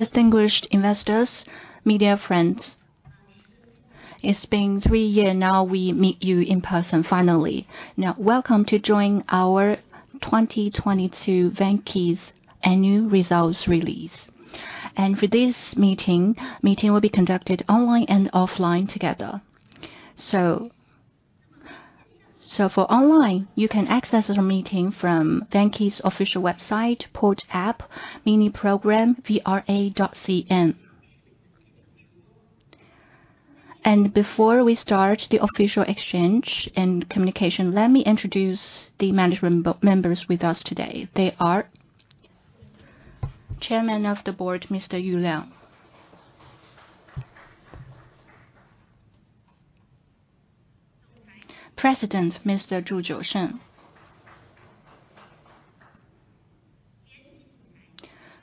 Distinguished investors, media friends, it's been three year now we meet you in person finally. Welcome to join our 2022 Vanke's annual results release. For this meeting, will be conducted online and offline together. For online, you can access the meeting from Vanke's official website, Port Apartment, mini program VRA.cn. Before we start the official exchange and communication, let me introduce the management members with us today. They are Chairman of the Board, Mr. Yu Liang. President, Mr. Zhu Jiusheng.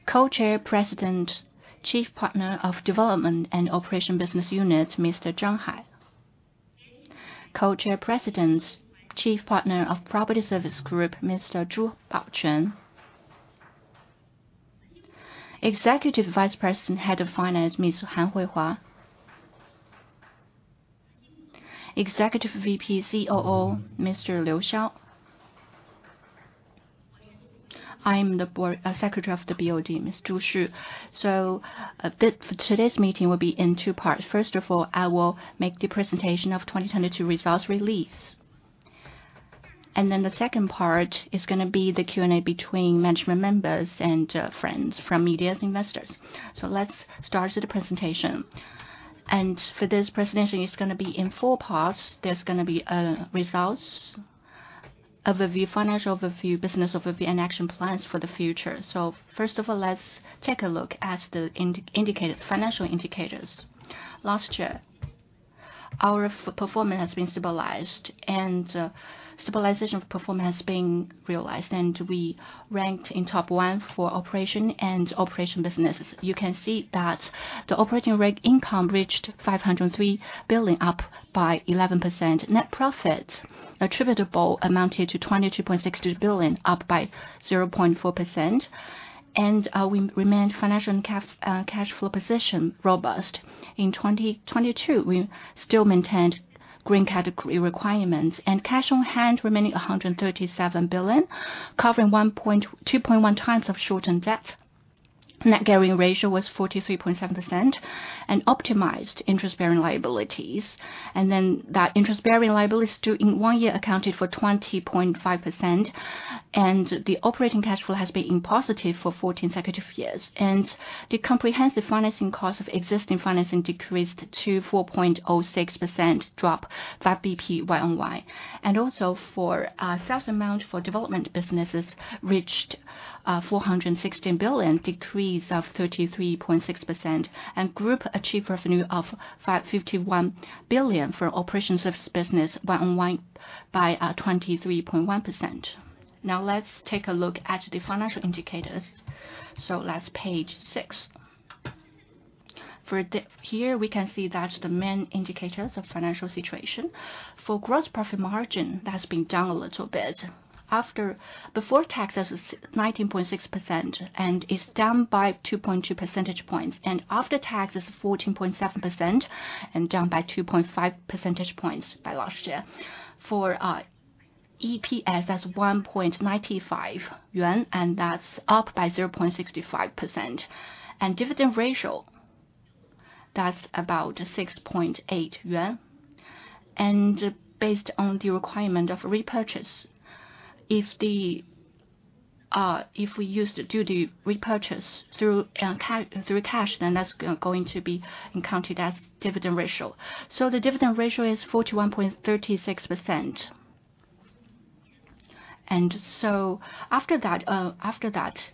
Co-chair President, Chief Partner of Development and Operation Business Unit, Mr. Zhang Hai. Co-chair President, Chief Partner of Property Service Group, Mr. Zhu Baoquan. Executive Vice President, Head of Finance, Ms. Han Huihua. Executive VP, COO, Mr. Liu Xiao. I'm the Secretary of the, Ms. Zhu Xu. Today's meeting will be in two parts. I will make the presentation of 2022 results release. The second part is gonna be the Q&A between management members and friends from medias investors. Let's start with the presentation. For this presentation, it's gonna be in four parts. There's gonna be results, overview, financial overview, business overview, and action plans for the future. Let's take a look at the indicators, financial indicators. Last year, our performance has been stabilized. Stabilization of performance has been realized. We ranked in top one for operation and operation business. You can see that the operating rev income reached 503 billion, up by 11%. Net profit attributable amounted to 22.6 billion, up by 0.4%. We remained financial and cash flow position robust. In 2022, we still maintained green category requirements. Cash on hand remaining 137 billion, covering 2.1x of shortened debt. Net gearing ratio was 43.7%, an optimized interest-bearing liabilities. That interest-bearing liabilities due in one year accounted for 20.5%, and the operating cash flow has been positive for 14 consecutive years. The comprehensive financing cost of existing financing decreased to 4.06%, drop five BP YoY. Sales amount for development businesses reached 416 billion, decrease of 33.6%. Group achieve revenue of 51 billion for operations of business YoY by 23.1%. Now let's take a look at the financial indicators. Let's page six. Here we can see that's the main indicators of financial situation. For gross profit margin, that's been down a little bit. Before tax, that's 19.6%, and it's down by 2.2 percentage points. After tax is 14.7%, and down by 2.5 percentage points by last year. For EPS, that's 1.95 yuan, and that's up by 0.65%. Dividend ratio, that's about 6.8 yuan. Based on the requirement of repurchase, if the, if we use due the repurchase through cash, then that's going to be encountered as dividend ratio. The dividend ratio is 41.36%. After that, after that,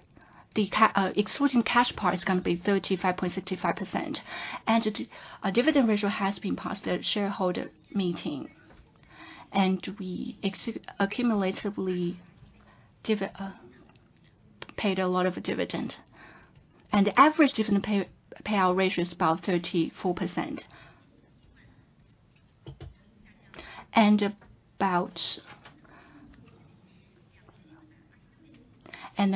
excluding cash part is gonna be 35.65%. Dividend ratio has been passed at shareholder meeting. We accumulatively paid a lot of dividend. The average dividend payout ratio is about 34%. Then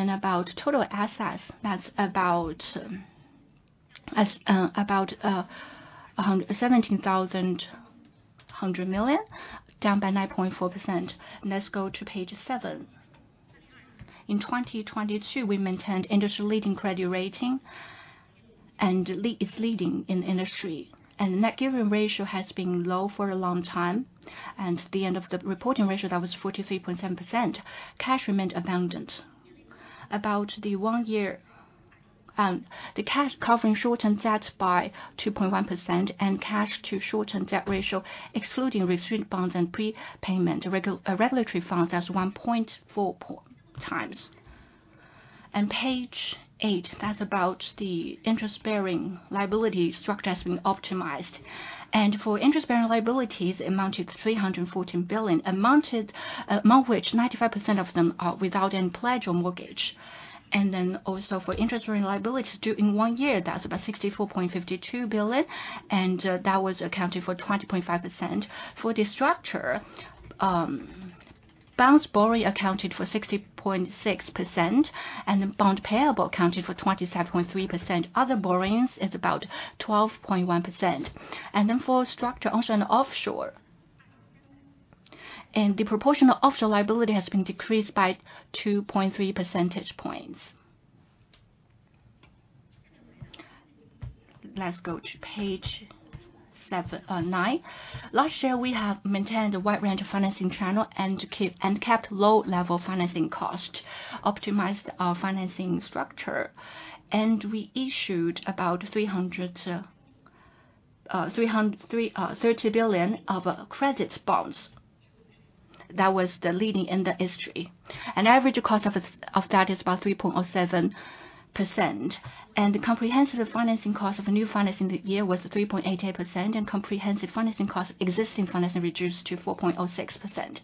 about total assets, that's about a 1,700 billion, down by 9.4%. Let's go to page seven. In 2022, we maintained industry-leading credit rating and it's leading in industry. Net gearing ratio has been low for a long time. The end of the reporting ratio, that was 43.7%. Cash remained abundant. About the one year, the cash covering shortened debt by 2.1%, and cash to shortened debt ratio, excluding restraint bonds and prepayment regulatory funds, that's 1.4x. Page eight, that's about the interest-bearing liability structure has been optimized. For interest-bearing liabilities, it amounted to 314 billion, amount which 95% of them are without any pledge or mortgage. Also for interest-bearing liabilities due in one year, that's about 64.52 billion, and that was accounted for 20.5%. For the structure, Bonds borrowing accounted for 60.6%, and bond payable accounted for 27.3%. Other borrowings is about 12.1%. For structure, onshore and offshore. The proportion of offshore liability has been decreased by 2.3 percentage points. Let's go to page seven, nine. Last year, we have maintained a wide range of financing channel and kept low level financing cost, optimized our financing structure. We issued about CNY 30 billion of credits bonds. That was the leading in the history. An average cost of that is about 3.07%. The comprehensive financing cost of a new finance in the year was 3.88%, and comprehensive financing cost, existing financing reduced to 4.06%.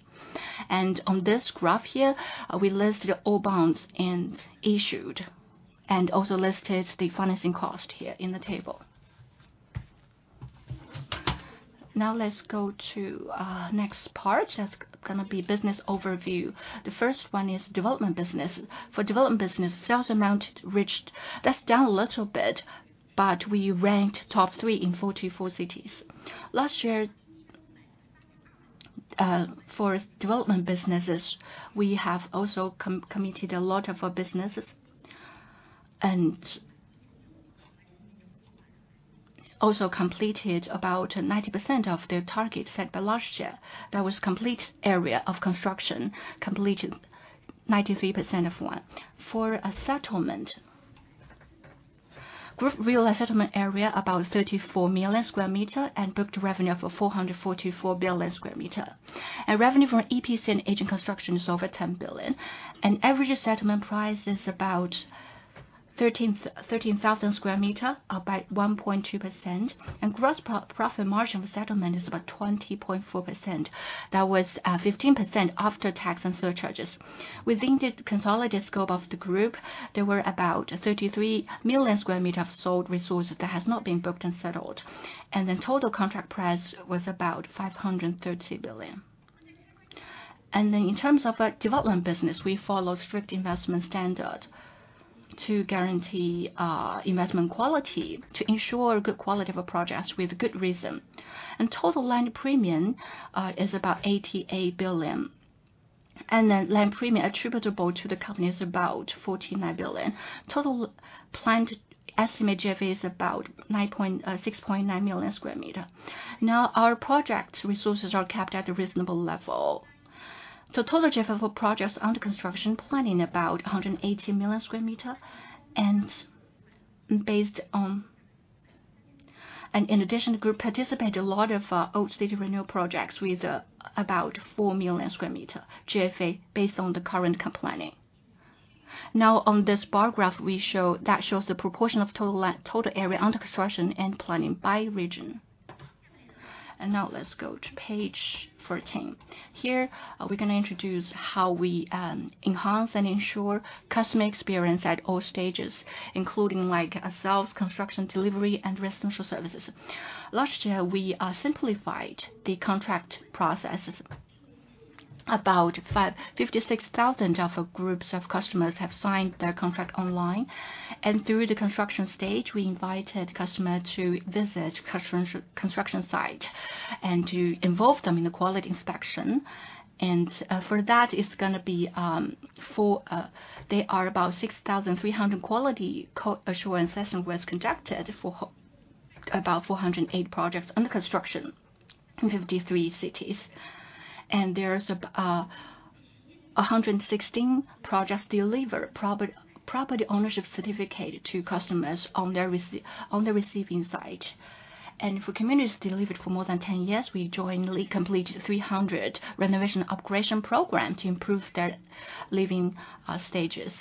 On this graph here, we listed all bonds and issued and also listed the financing cost here in the table. Let's go to next part. That's gonna be business overview. The first one is development business. For development business, sales amount reached... That's down a little bit, but we ranked top three in 44 cities. Last year, for development businesses, we have also committed a lot of businesses and also completed about 90% of the targets set by last year. That was complete area of construction, completed 93% of one. For a settlement, group real settlement area about 34 million sqm and booked revenue of 444 billion sqm. Revenue from EPC and agent construction is over 10 billion. An average settlement price is about 13,000 sqm, up by 1.2%. Gross profit margin for settlement is about 20.4%. That was 15% after tax and surcharges. Within the consolidated scope of the group, there were about 33 million sqm of sold resources that has not been booked and settled. The total contract price was about 530 billion. In terms of a development business, we follow strict investment standard to guarantee investment quality, to ensure good quality of our projects with good reason. Total land premium is about 88 billion. Land premium attributable to the company is about 49 billion. Total planned estimated GFA is about 6.9 million sqm. Our project resources are kept at a reasonable level. Total GFA for projects under construction planning about 180 million sqm, in addition, the group participate a lot of old city renewal projects with about 4 million sqm GFA based on the current cap planning. On this bar graph, that shows the proportion of total area under construction and planning by region. Let's go to page 14. Here, we're gonna introduce how we enhance and ensure customer experience at all stages, including like sales, construction, delivery, and residential services. Last year, we simplified the contract processes. About 56,000 groups of customers have signed their contract online. Through the construction stage, we invited customer to visit construction site and to involve them in the quality inspection. For that, it's gonna be for. There are about 6,300 quality co-assurance session was conducted for about 408 projects under construction in 53 cities. There's a 116 projects deliver property ownership certificate to customers on the receiving site. For communities delivered for more than 10 years, we jointly completed 300 renovation operation program to improve their living stages.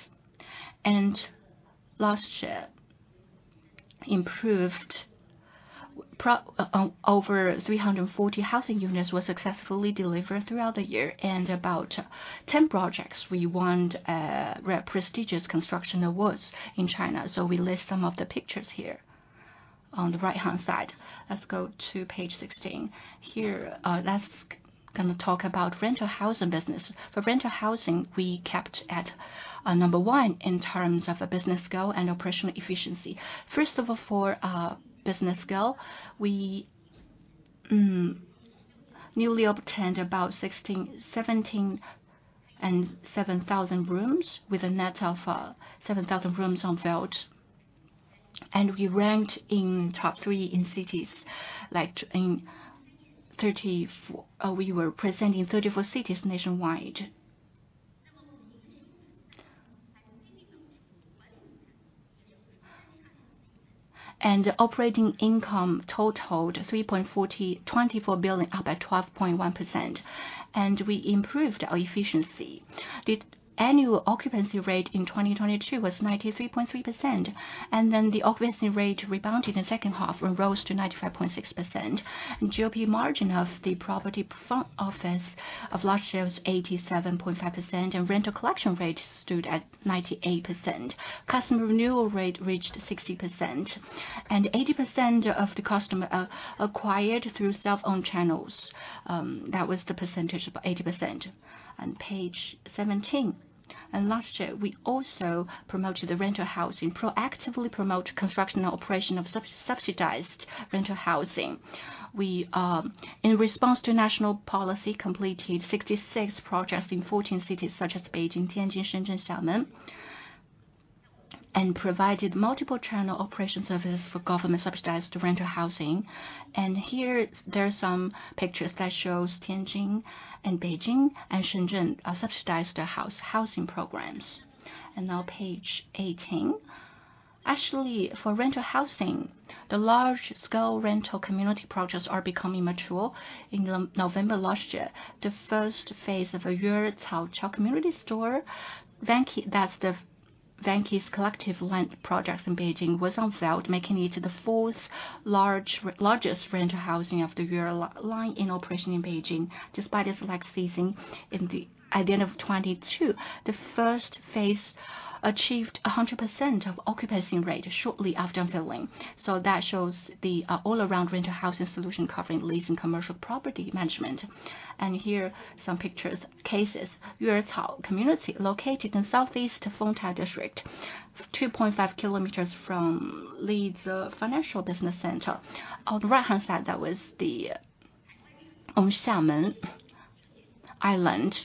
Last year, improved Over 340 housing units were successfully delivered throughout the year, and about 10 projects we won prestigious construction awards in China. We list some of the pictures here on the right-hand side. Let's go to page 16. Here, let's gonna talk about rental housing business. For rental housing, we kept at number one in terms of a business scale and operational efficiency. First of all, for business scale, we newly obtained about 16, 17 and 7,000 rooms with a net of 7,000 rooms on field. We ranked in top three in cities like we were present in 34 cities nationwide. Operating income totaled 3.424 billion, up by 12.1%, and we improved our efficiency. The annual occupancy rate in 2022 was 93.3%, the occupancy rate rebounded in second half and rose to 95.6%. GOP margin of the property front office of last year was 87.5%. Rental collection rate stood at 98%. Customer renewal rate reached 60%. Eighty percent of the customer acquired through self-owned channels. That was the percentage, about 80%. Page 17. Last year, we also promoted the rental housing, proactively promote construction and operation of subsidized rental housing. We, in response to national policy, completed 66 projects in 14 cities such as Beijing, Tianjin, Shenzhen, Xiamen. Provided multiple channel operation services for government subsidized rental housing. Here, there are some pictures that shows Tianjin and Beijing and Shenzhen subsidized housing programs. Now page 18. Actually, for rental housing, the large scale rental community projects are becoming mature. In November last year, the first phase of a Yueliao community store, Vanke's collective land projects in Beijing, was on sale, making it to the fourth largest rental housing of the Yueliao line in operation in Beijing. Despite its late phasing in the identify 2022, the first phase achieved 100% of occupancy rate shortly after opening. That shows the all-around rental housing solution covering lease and commercial property management. Here some pictures, cases. Yueliao Community located in southeast Fengtai District, 2.5 km from Lizhi Financial Business Center. On the right-hand side, that was the Xiamen Island.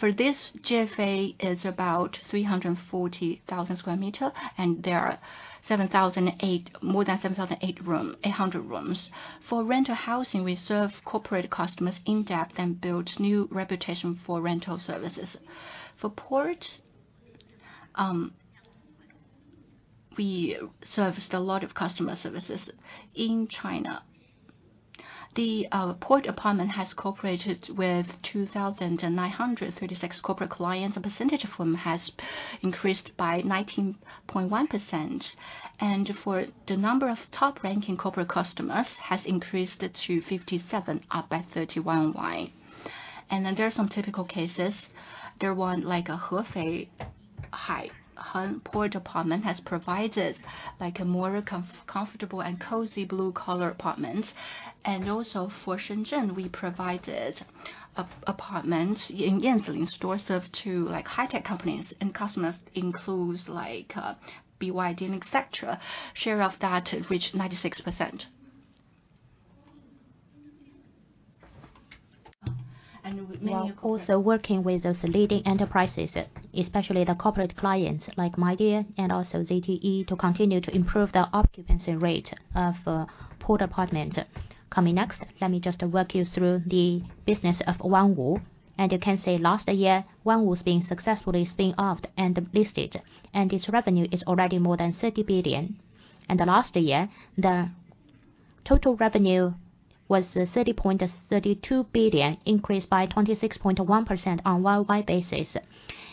For this GFA is about 340,000 sqm, and there are More than 7,800 rooms. For rental housing, we serve corporate customers in-depth and build new reputation for rental services. For Port Apartment, we serviced a lot of customer services in China. The Port Apartment has cooperated with 2,936 corporate clients, the percentage of whom has increased by 19.1%. For the number of top-ranking corporate customers has increased to 57%, up by 31% YoY. There are some typical cases. There one like Hefei Haiheng Port Apartment has provided like a more comfortable and cozy blue-collar apartments. For Shenzhen, we provided apartment in Yanji store serve to like high-tech companies and customers includes like BYD and et cetera. Share of that reached 96%.We're also working with those leading enterprises, especially the corporate clients like Midea and ZTE to continue to improve the occupancy rate of Port Apartment. Coming next, let me just walk you through the business of Onewo. You can say last year, Onewo's been successfully spin off and listed, and its revenue is already more than 30 billion. Last year, the total revenue was 30.32 billion, increased by 26.1% on worldwide basis.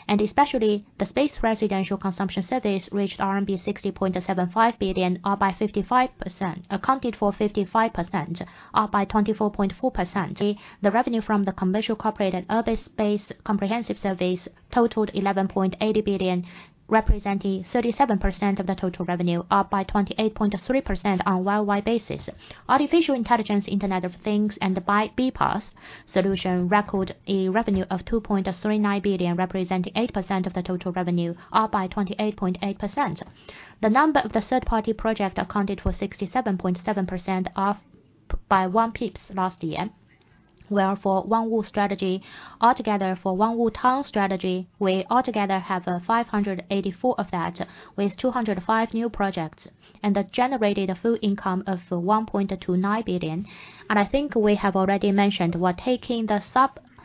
Especially the space residential consumption surveys reached RMB 60.75 billion, up by 55%, accounted for 55%, up by 24.4%. The revenue from the commercial, corporate, and urban space comprehensive surveys totaled 11.8 billion, representing 37% of the total revenue, up by 28.3% on worldwide basis. Artificial intelligence, Internet of Things, and the BPaaS solution record a revenue of 2.39 billion, representing 8% of the total revenue, up by 28.8%. The number of the third-party project accounted for 67.7%, up by 1 pips last year. Where for Onewo strategy, altogether for Onewo Town strategy, we altogether have 584 of that, with 205 new projects, and generated a full income of 1.29 billion. I think we have already mentioned we're taking the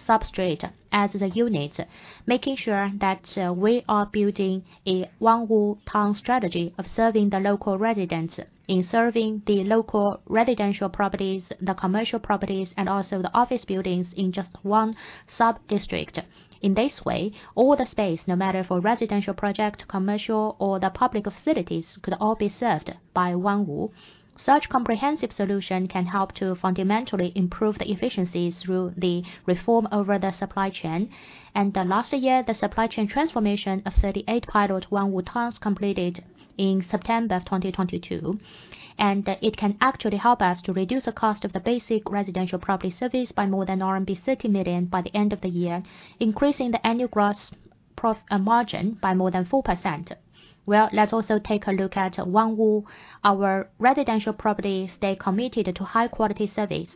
sub-substrate as the unit, making sure that we are building a Onewo Town strategy of serving the local residents. In serving the local residential properties, the commercial properties, and also the office buildings in just one sub-district. In this way, all the space, no matter for residential project, commercial or the public facilities, could all be served by Onewo. Such comprehensive solution can help to fundamentally improve the efficiency through the reform over the supply chain. Last year, the supply chain transformation of 38 pilot Onewo Towns completed in September of 2022. It can actually help us to reduce the cost of the basic residential property service by more than RMB 30 million by the end of the year, increasing the annual gross margin by more than 4%. Well, let's also take a look at Onewo, our residential properties they committed to high quality service.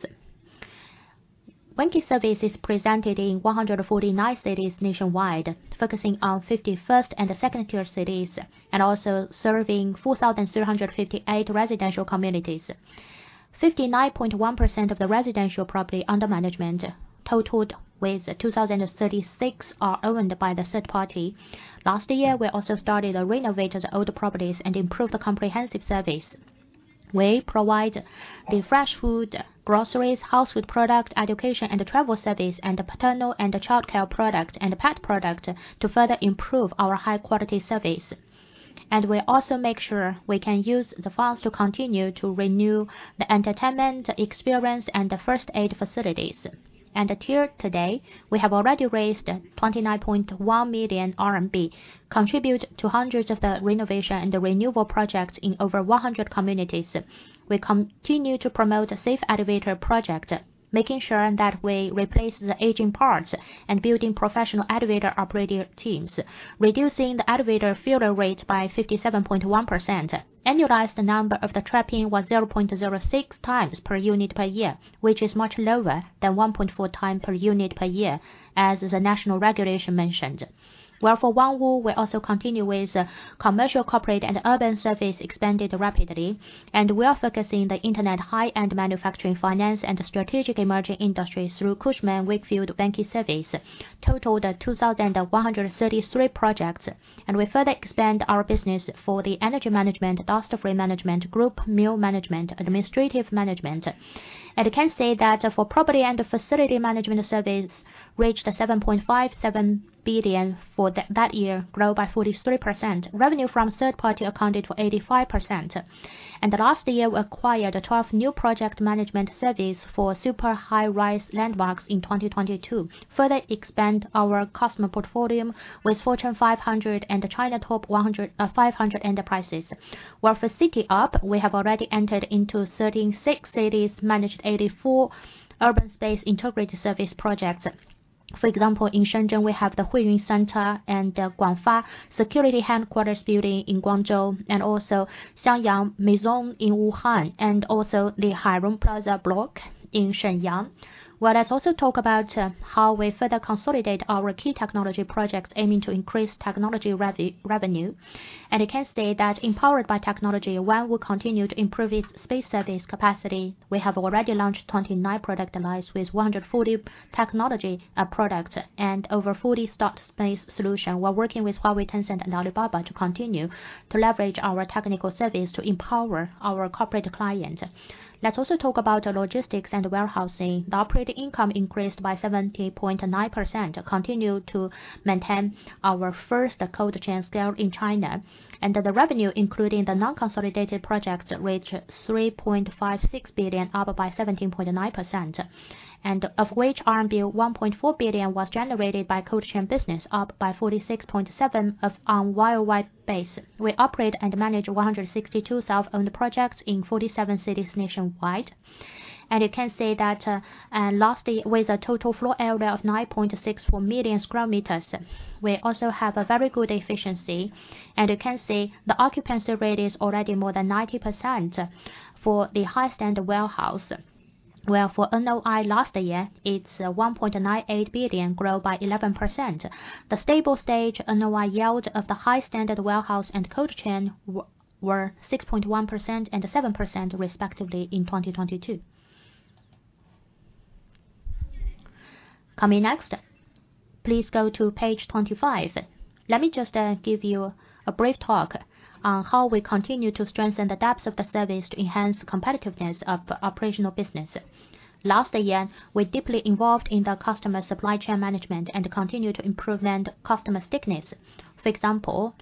Vanke Service is presented in 149 cities nationwide, focusing on 50 first- and second-tier cities, and also serving 4,358 residential communities. 59.1% of the residential property under management totaled with 2,036 are owned by the third party. Last year, we also started a renovated old properties and improved the comprehensive service. We provide the fresh food, groceries, household product, education and travel service, and paternal and childcare product, and pet product to further improve our high quality service. Till today, we have already raised 29.1 million RMB, contribute to hundreds of the renovation and the renewable projects in over 100 communities. We continue to promote a safe elevator project, making sure that we replace the aging parts and building professional elevator operating teams, reducing the elevator failure rate by 57.1%. Annualized number of the trapping was 0.06x per unit per year, which is much lower than 1.4x per unit per year as the national regulation mentioned. Well, for Onewo, we also continue with commercial, corporate, and urban service expanded rapidly, and we are focusing the internet high-end manufacturing, finance, and strategic emerging industries through Cushman & Wakefield Vanke Service totaled 2,133 projects. We further expand our business for the energy management, dust-free management, group meal management, administrative management. You can say that for property and facility management surveys reached 7.57 billion for that year, grow by 43%. Revenue from third party accounted for 85%. Last year, we acquired 12 new project management surveys for super high-rise landmarks in 2022, further expand our customer portfolio with Fortune 500 and China top 500 enterprises. For City Up, we have already entered into 36 cities, managed 84 urban space integrated service projects. For example, in Shenzhen, we have the Huiyun Center and Guanfa Securities Headquarters building in Guangzhou, and also Xiangyang Mazon in Wuhan, and also the Haimen Plaza block in Shenyang. Well, let's also talk about how we further consolidate our key technology projects aiming to increase technology revenue. You can say that empowered by technology, while we continue to improve its space service capacity, we have already launched 29 product lines with 140 technology products and over 40 stock space solution while working with Huawei, Tencent and Alibaba to continue to leverage our technical service to empower our corporate client. Let's also talk about logistics and warehousing. The operating income increased by 70.9%, continue to maintain our first cold chain scale in China. The revenue, including the non-consolidated projects, reached 3.56 billion, up by 17.9%. Of which RMB 1.4 billion was generated by cold chain business, up by 46.7% on YoY base. We operate and manage 162 self-owned projects in 47 cities nationwide. You can say that, last year, with a total floor area of 9.64 million sqm, we also have a very good efficiency. You can say the occupancy rate is already more than 90% for the high standard warehouse. Well, for NOI last year, it's 1.98 billion, grow by 11%. The stable stage NOI yield of the high standard warehouse and cold chain were 6.1% and 7% respectively in 2022. Coming next, please go to page 25. Let me just give you a brief talk on how we continue to strengthen the depths of the service to enhance competitiveness of operational business. Last year, we deeply involved in the customer supply chain management and continue to improvement customer stickiness. For example,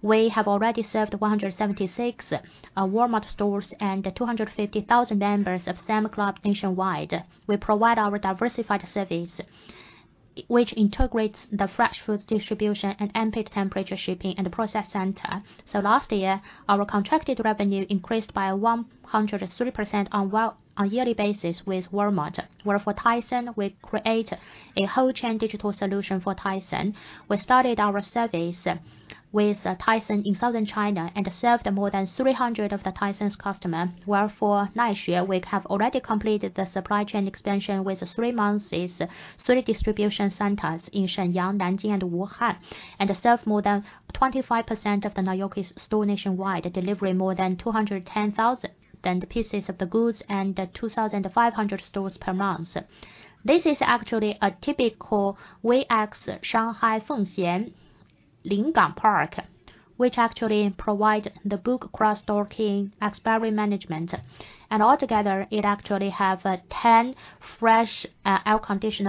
we have already served 176 Walmart stores and 250,000 members of Sam's Club nationwide. We provide our diversified service, which integrates the fresh food distribution and ambient temperature shipping and process center. Last year, our contracted revenue increased by 103% on a yearly basis with Walmart. For Tyson, we create a whole chain digital solution for Tyson. We started our service with Tyson in Southern China and served more than 300 of the Tyson's customer. For Naixue, we have already completed the supply chain expansion with three months' three distribution centers in Shenyang, Nanjing and Wuhan, and served more than 25% of the Naixue store nationwide, delivering more than 210,000 pieces of the goods and 2,500 stores per month. This is actually a typical VX Shanghai Fengxian Lingang Park, which actually provide the book cross-docking expiry management. Altogether, it actually have 10 fresh air-conditioned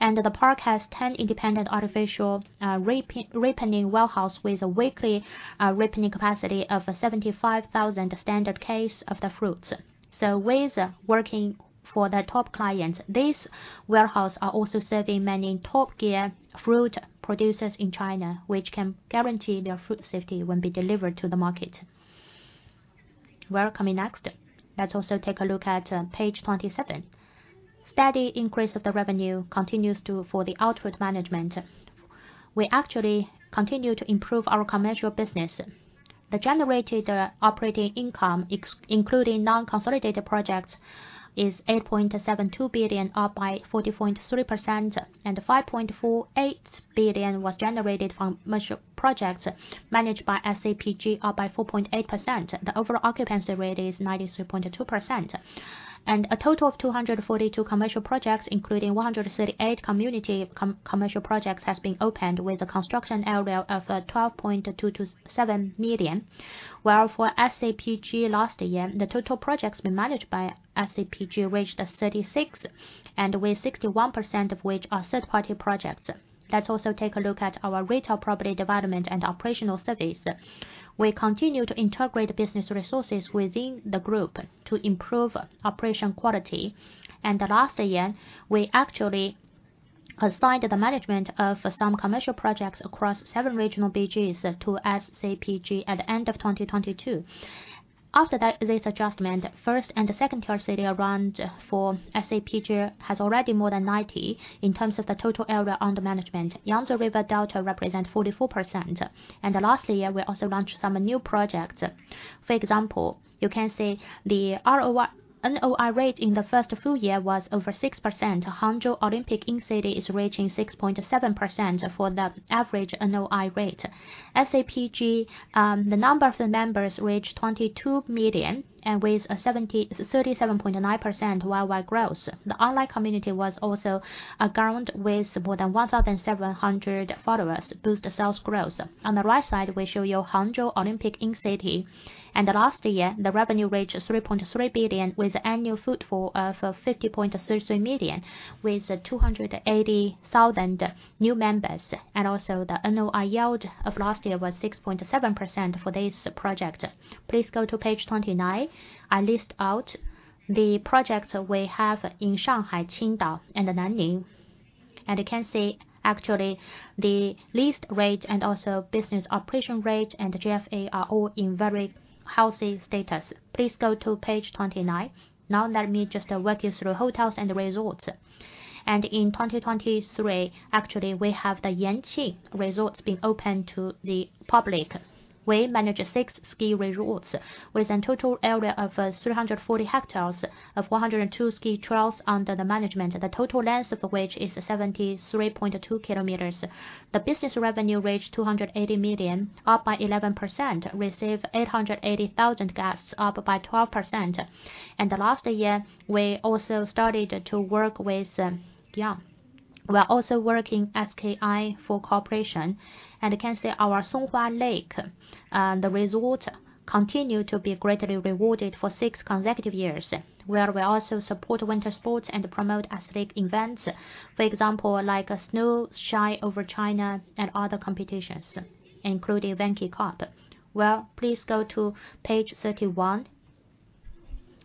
product. The park has 10 independent artificial ripening warehouse with a weekly ripening capacity of 75,000 standard case of the fruits. With working for the top clients, these warehouse are also serving many top gear fruit producers in China, which can guarantee their fruit safety when be delivered to the market. Well, coming next. Let's also take a look at page 27. Steady increase of the revenue for the output management. We actually continue to improve our commercial business. The generated operating income, ex-including non-consolidated projects, is 8.72 billion up by 40.3%, and 5.48 billion was generated from commercial projects managed by SCPG, up by 4.8%. The overall occupancy rate is 93.2%. A total of 242 commercial projects, including 138 community commercial projects, has been opened with a construction area of 12.227 million. While for SCPG last year, the total projects managed by SCPG reached 36%, and with 61% of which are third-party projects. Let's also take a look at our retail property development and operational service. We continue to integrate business resources within the group to improve operation quality. Last year, we actually assigned the management of some commercial projects across seven regional BGs to SCPG at the end of 2022. After that, this adjustment, first and second-tier city around for SCPG has already more than 90 in terms of the total area under management. Yangtze River Delta represents 44%. Last year, we also launched some new projects. For example, you can see the NOI rate in the first full year was over 6%. Hangzhou Olympic Expo City is reaching 6.7% for the average NOI rate. SCPG, the number of members reached 22 million and with a 37.9% YoY growth. The online community was also a ground with more than 1,700 followers, boost the sales growth. On the right side, we show you Hangzhou Olympic Expo City. The last year, the revenue reached 3.3 billion with annual footfall of 50.33 million, with 280,000 new members. Also the NOI yield of last year was 6.7% for this project. Please go to page 29. I list out the projects we have in Shanghai, Qingdao, and Nanjing. You can see actually the lease rate and also business operation rate and the GFA are all in very healthy status. Please go to page 29. Now let me just walk you through hotels and resorts. In 2023, actually, we have the Yanqi Resorts being open to the public. We manage 6 ski resorts with a total area of 340 hectares of 102 ski trails under the management. The total length of which is 73.2 km. The business revenue reached 280 million, up by 11%, receive 880,000 guests, up by 12%. Last year, we also started to work with SKI for cooperation. You can see our Songhua Lake, the resort continue to be greatly rewarded for seven consecutive years, where we also support winter sports and promote athletic events. For example, like Snow Shines China and other competitions, including Vanke Cup. Well, please go to page 31.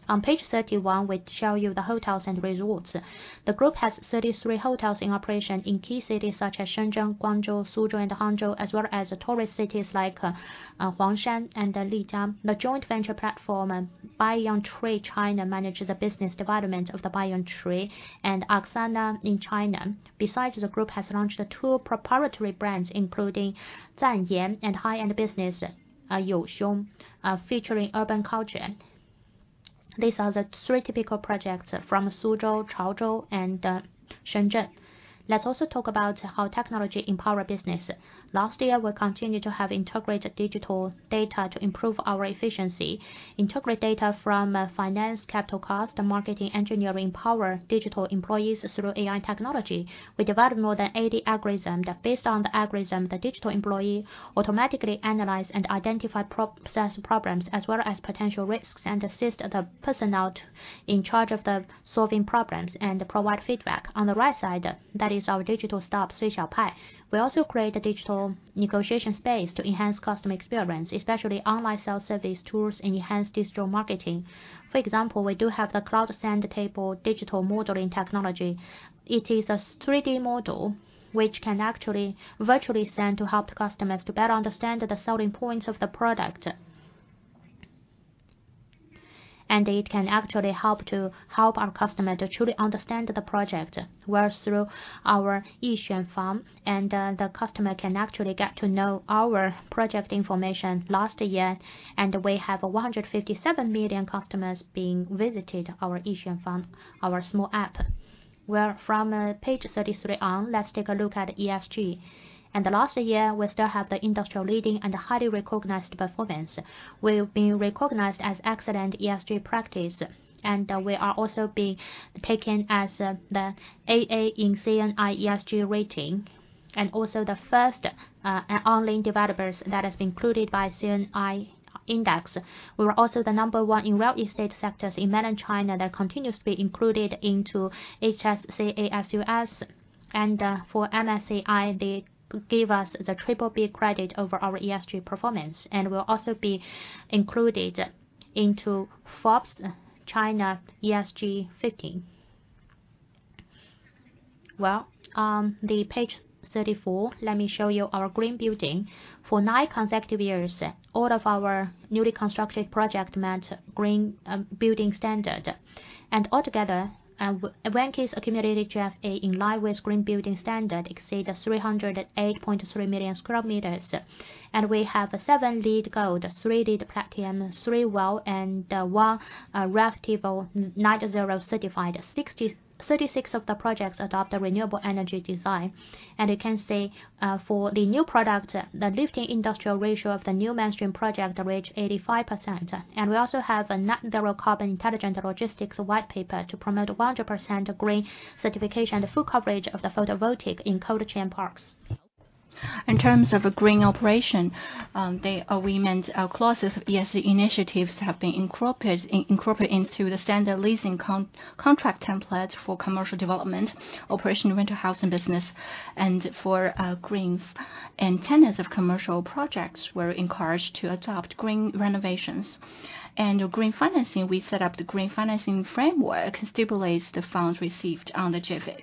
On page 31, we show you the hotels and resorts. The group has 33 hotels in operation in key cities such as Shenzhen, Guangzhou, Suzhou, and Hangzhou, as well as tourist cities like Huangshan and Lijiang. The joint venture platform, Banyan Tree China manages the business development of the Banyan Tree and Angsana in China. The group has launched two proprietary brands, including Zanyee and high-end business Youxiong, featuring urban culture. These are the three typical projects from Suzhou, Chaozhou, and Shenzhen. Let's also talk about how technology empower business. Last year, we continued to have integrated digital data to improve our efficiency, integrate data from finance, capital cost, marketing, engineering, power, digital employees through AI technology. We developed more than 80 algorithm that based on the algorithm, the digital employee automatically analyze and identify pro-process problems as well as potential risks and assist the personnel in charge of the solving problems and provide feedback. On the right side, that is our digital staff, Cui Xiaopan. We also create a digital negotiation space to enhance customer experience, especially online self-service tools, enhanced digital marketing. For example, we do have the cloud sand table digital modeling technology. It is a 3D model which can actually virtually send to help the customers to better understand the selling points of the product. It can actually help our customer to truly understand the project. Well, through our Yixian Farm, and the customer can actually get to know our project information last year. We have 157 million customers being visited our Yixian Farm, our small app. Well, from page 33 on, let's take a look at ESG. The last year, we still have the industrial leading and highly recognized performance. We've been recognized as excellent ESG practice, and we are also being taken as the AA in CNI ESG rating, and also the first online developers that has been included by CNI Index. We were also the number one in real estate sectors in Mainland China that continues to be included into HSCASUS. For MSCI, they gave us the BBB credit over our ESG performance and will also be included into Forbes China ESG 15. The page 34, let me show you our green building. For nine consecutive years, all of our newly constructed project met green building standard. Altogether, Vanke's accumulated GFA in line with green building standard exceed 308.3 million sq m. We have seven LEED Gold, three LEED Platinum, three WELL, and one WELL people 90 certified. 36 of the projects adopt a renewable energy design. You can see, for the new product, the lifting industrial ratio of the new mainstream project reached 85%. We also have a net zero carbon intelligent logistics white paper to promote 100% green certification, the full coverage of the photovoltaic in cold chain parks. In terms of a green operation, we meant our clauses of ESG initiatives have been incorporated into the standard leasing contract template for commercial development, operation, rental house and business. For greens and tenants of commercial projects were encouraged to adopt green renovations. Green financing, we set up the green financing framework, stabilize the funds received on the JV.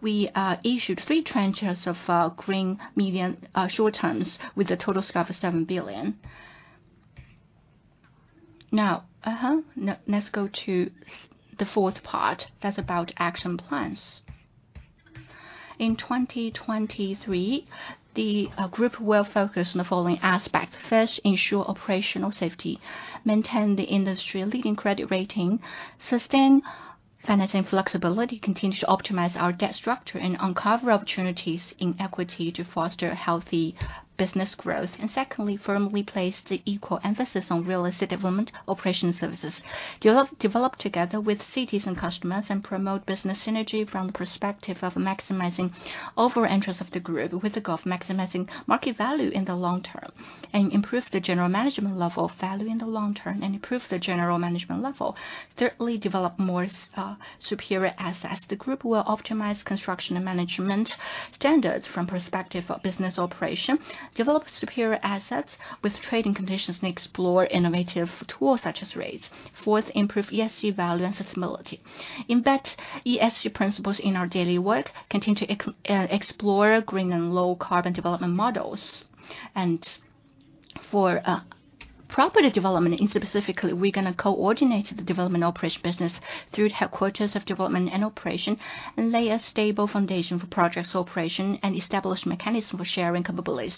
We issued three tranches of green medium short terms with a total scope of 7 billion. Let's go to the fourth part that's about action plans. In 2023, the group will focus on the following aspects. First, ensure operational safety, maintain the industry-leading credit rating, sustain financing flexibility, continue to optimize our debt structure, and uncover opportunities in equity to foster healthy business growth. Secondly, firmly place the equal emphasis on real estate development operation services. Develop together with cities and customers and promote business synergy from the perspective of maximizing overall interest of the group with the goal of maximizing market value in the long term, and improve the general management level of value in the long term, and improve the general management level. Thirdly, develop more superior assets. The group will optimize construction and management standards from perspective of business operation, develop superior assets with trading conditions, and explore innovative tools such as REITs. Fourth, improve ESG value and sustainability. Embed ESG principles in our daily work, continue to explore green and low carbon development models. For property development in specifically, we're gonna coordinate the development operation business through the headquarters of development and operation, and lay a stable foundation for projects operation and establish mechanism for sharing capabilities.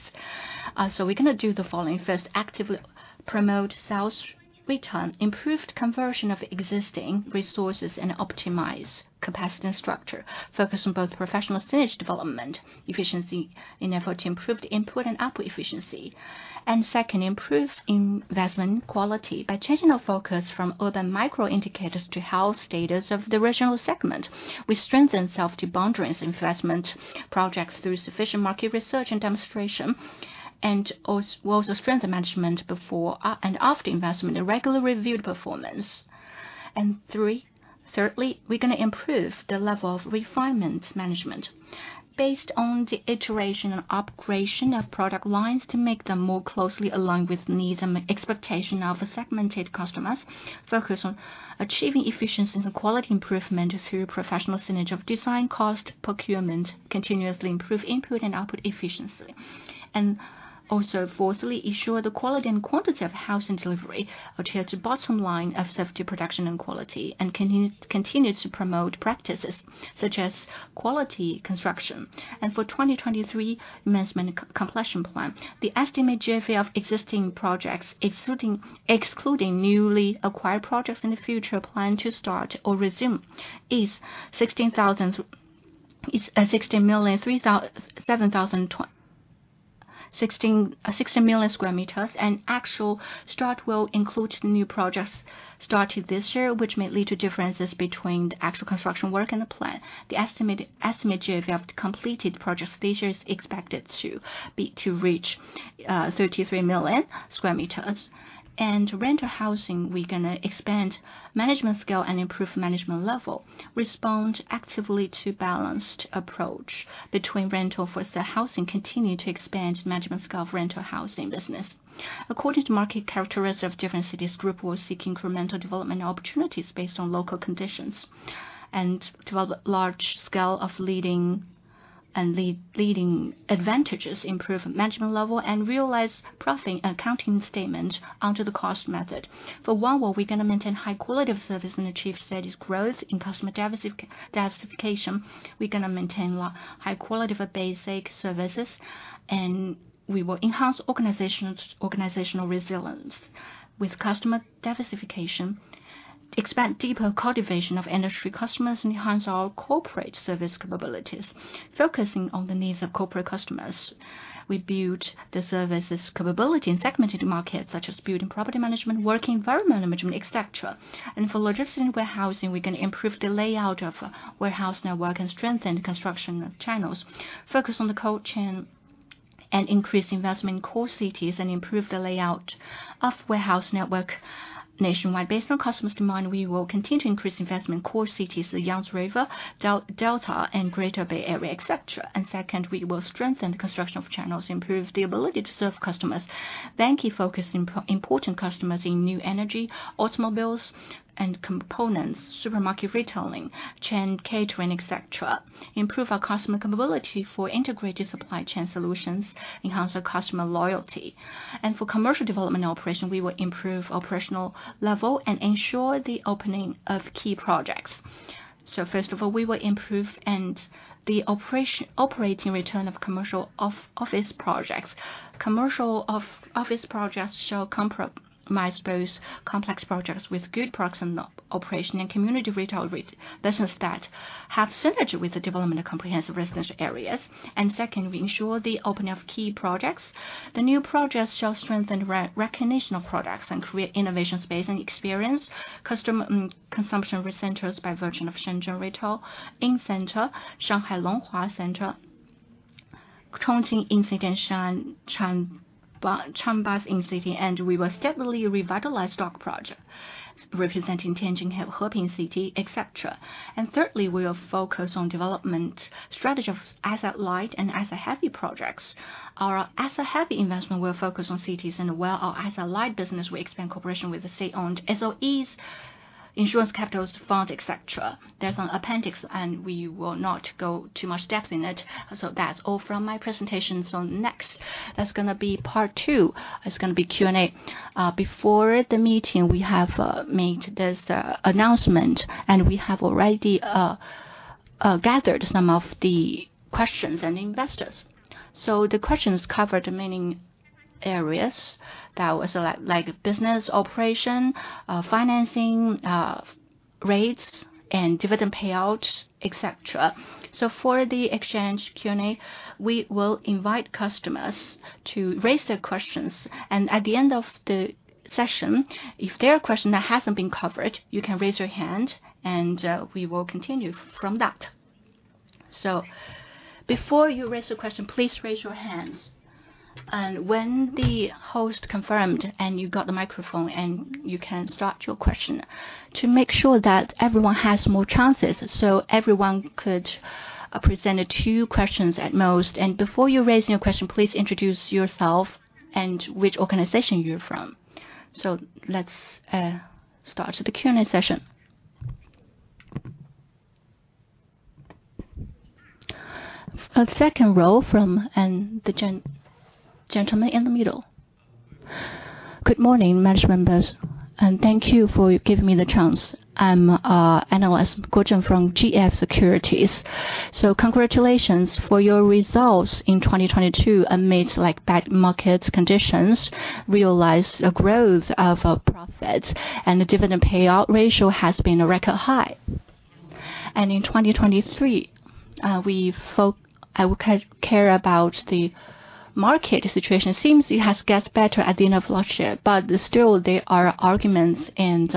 We're gonna do the following. First, actively promote sales return, improved conversion of existing resources, optimize capacity and structure, focus on both professional synergy development efficiency in effort to improve the input and output efficiency. Second, improve investment quality by changing the focus from urban micro indicators to health status of the regional segment. We strengthen self-debonding investment projects through sufficient market research and demonstration, and we also strengthen management before and after investment and regular reviewed performance. Thirdly, we're gonna improve the level of refinement management based on the iteration and operation of product lines to make them more closely aligned with needs and expectation of segmented customers. Focus on achieving efficiency and quality improvement through professional synergy of design, cost, procurement, continuously improve input and output efficiency. Fourthly, ensure the quality and quantity of housing delivery adhere to bottom line of safety, production and quality, and continue to promote practices such as quality construction. For 23 management completion plan, the estimated JV of existing projects excluding newly acquired projects in the future plan to start or resume is 16 million sqm, and actual start will include the new projects started this year, which may lead to differences between the actual construction work and the plan. The estimated JV of the completed project this year is expected to reach 33 million sqm. Rental housing, we're gonna expand management scale and improve management level, respond actively to balanced approach between rental for sale housing, continue to expand management scale of rental housing business. According to market characteristics of different cities, Group will seek incremental development opportunities based on local conditions and develop large scale of leading advantages, improve management level and realize accounting statement under the cost method. For Onewo we're gonna maintain high quality of service and achieve steady growth in customer diversification. We're gonna maintain high quality for basic services, and we will enhance organizational resilience with customer diversification, expand deeper cultivation of industry customers, and enhance our corporate service capabilities. Focusing on the needs of corporate customers, we build the services capability in segmented markets such as building property management, work environment management, et cetera. For logistics and warehousing, we can improve the layout of warehouse network and strengthen the construction of channels, focus on the cold chain and increase investment in core cities, and improve the layout of warehouse network nationwide. Based on customers' demand, we will continue to increase investment in core cities, the Yangtze River, Delta and Greater Bay Area, et cetera. Second, we will strengthen the construction of channels, improve the ability to serve customers. Bank focus important customers in new energy, automobiles and components, supermarket retailing, chain catering, et cetera. Improve our customer capability for integrated supply chain solutions, enhance our customer loyalty. For commercial development operation, we will improve operational level and ensure the opening of key projects. First of all, we will improve operating return of commercial office projects. Commercial office projects shall comprise both complex projects with good proximity operation and community retail business that have synergy with the development of comprehensive residential areas. Second, we ensure the opening of key projects. The new projects shall strengthen recognition of products and create innovation space and experience customer consumption centers by virtue of Shenzhen Yinli Center, Shanghai Longhua Center, Chongqing Shapingba. We will steadily revitalize dock project representing Tianjin Heping City, et cetera. Thirdly, we will focus on development strategy of asset light and asset heavy projects. Our asset heavy investment will focus on cities and well, our asset light business, we expand cooperation with the state-owned SOEs, insurance capitals, fund, et cetera. There's an appendix. We will not go too much depth in it. That's all from my presentation. Next, that's going to be part two. It's going to be Q&A. Before the meeting, we have made this announcement. We have already gathered some of the questions and investors. The questions covered many areas. That was like business operation, financing, REITs, and dividend payout, et cetera. For the exchange Q&A, we will invite customers to raise their questions. At the end of the session, if there are question that hasn't been covered, you can raise your hand, and we will continue from that. Before you raise the question, please raise your hands. When the host confirmed, and you got the microphone, and you can start your question to make sure that everyone has more chances, so everyone could present two questions at most. Before you raise your question, please introduce yourself and which organization you're from. Let's start the Q&A session. The second row from and the gentleman in the middle. Good morning, management, and thank you for giving me the chance. I'm analyst Guojin from GF Securities. Congratulations for your results in 2022 amidst like bad market conditions, realized a growth of profit and the dividend payout ratio has been a record high. In 2023, we care about the market situation. Seems it has got better at the end of last year, but still there are arguments and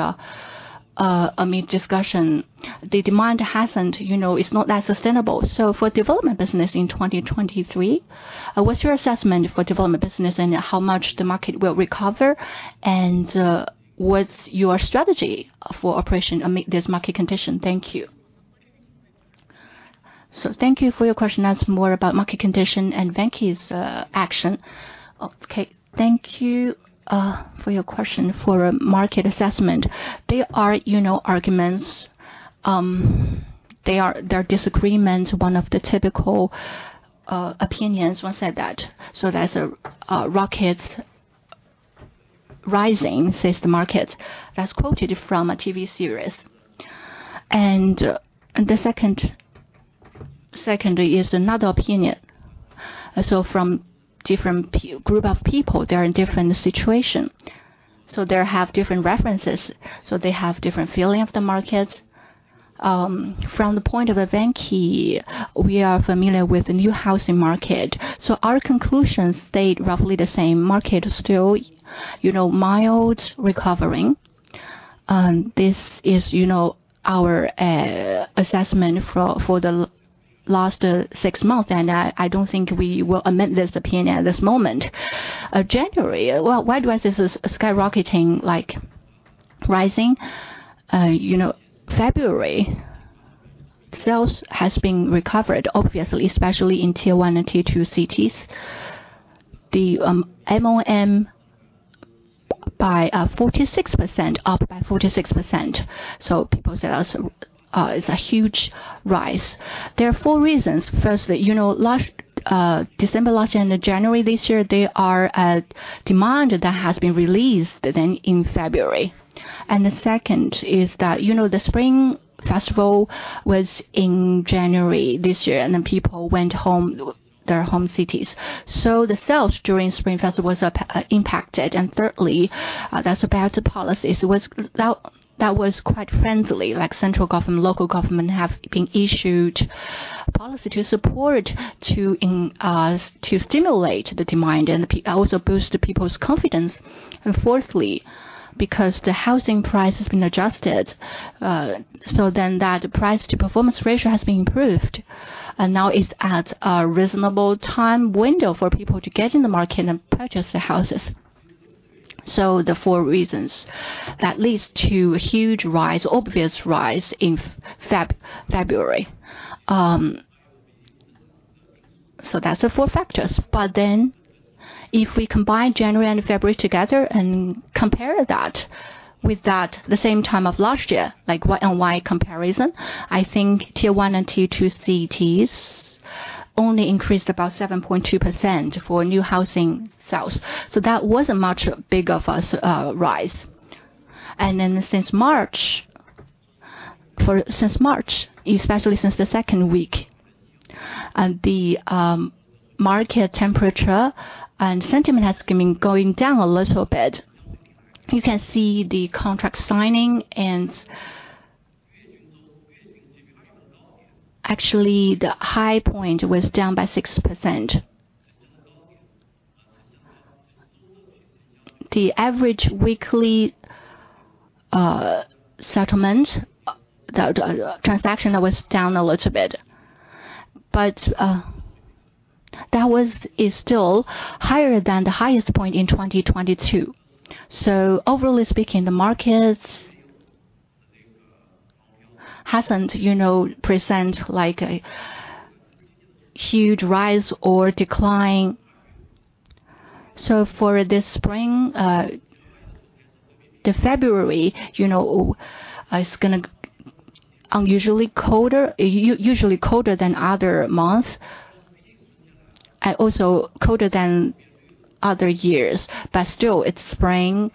amid discussion, the demand hasn't, you know, is not that sustainable. For development business in 2023, what's your assessment for development business and how much the market will recover? What's your strategy for operation amid this market condition? Thank you. Thank you for your question. That's more about market condition and Vanke's action. Okay, thank you for your question. For market assessment, there are, you know, arguments. There are disagreements. One of the typical opinions once said that there's a rocket rising since the market. That's quoted from a TV series. The secondary is another opinion. From different group of people, they are in different situation. They have different references. They have different feeling of the market. From the point of Vanke, we are familiar with the new housing market. Our conclusion stayed roughly the same. Market is still, you know, mild recovering. This is, you know, our assessment for the last six months. I don't think we will amend this opinion at this moment. January, well, why was this skyrocketing, like rising? You know, February sales has been recovered, obviously, especially in tier one and tier two cities. MOM by 46%, up by 46%. People say that's a huge rise. There are four reasons. Firstly, you know, last December last year and January this year, there are a demand that has been released then in February. The second is that, you know, the Spring Festival was in January this year, and then people went home, their home cities. The sales during Spring Festival was impacted. Thirdly, that's about the policies. That was quite friendly, like central government, local government have been issued policy to support to stimulate the demand and also boost the people's confidence. Fourthly, because the housing price has been adjusted, that price to performance ratio has been improved. Now it's at a reasonable time window for people to get in the market and purchase the houses. The four reasons that leads to huge rise, obvious rise in February. That's the four factors. If we combine January and February together and compare that with that the same time of last year, like what and why comparison, I think tier one and tier two cities only increased about 7.2% for new housing sales. That was a much bigger for us, rise. Since March, especially since the second week, the market temperature and sentiment has been going down a little bit. You can see the contract signing. Actually, the high point was down by 6%. The average weekly settlement, the transaction was down a little bit, but that was, is still higher than the highest point in 2022. Overall speaking, the market hasn't, you know, present like a huge rise or decline. For this spring, the February, you know, it's gonna unusually colder, usually colder than other months, and also colder than other years. Still it's spring,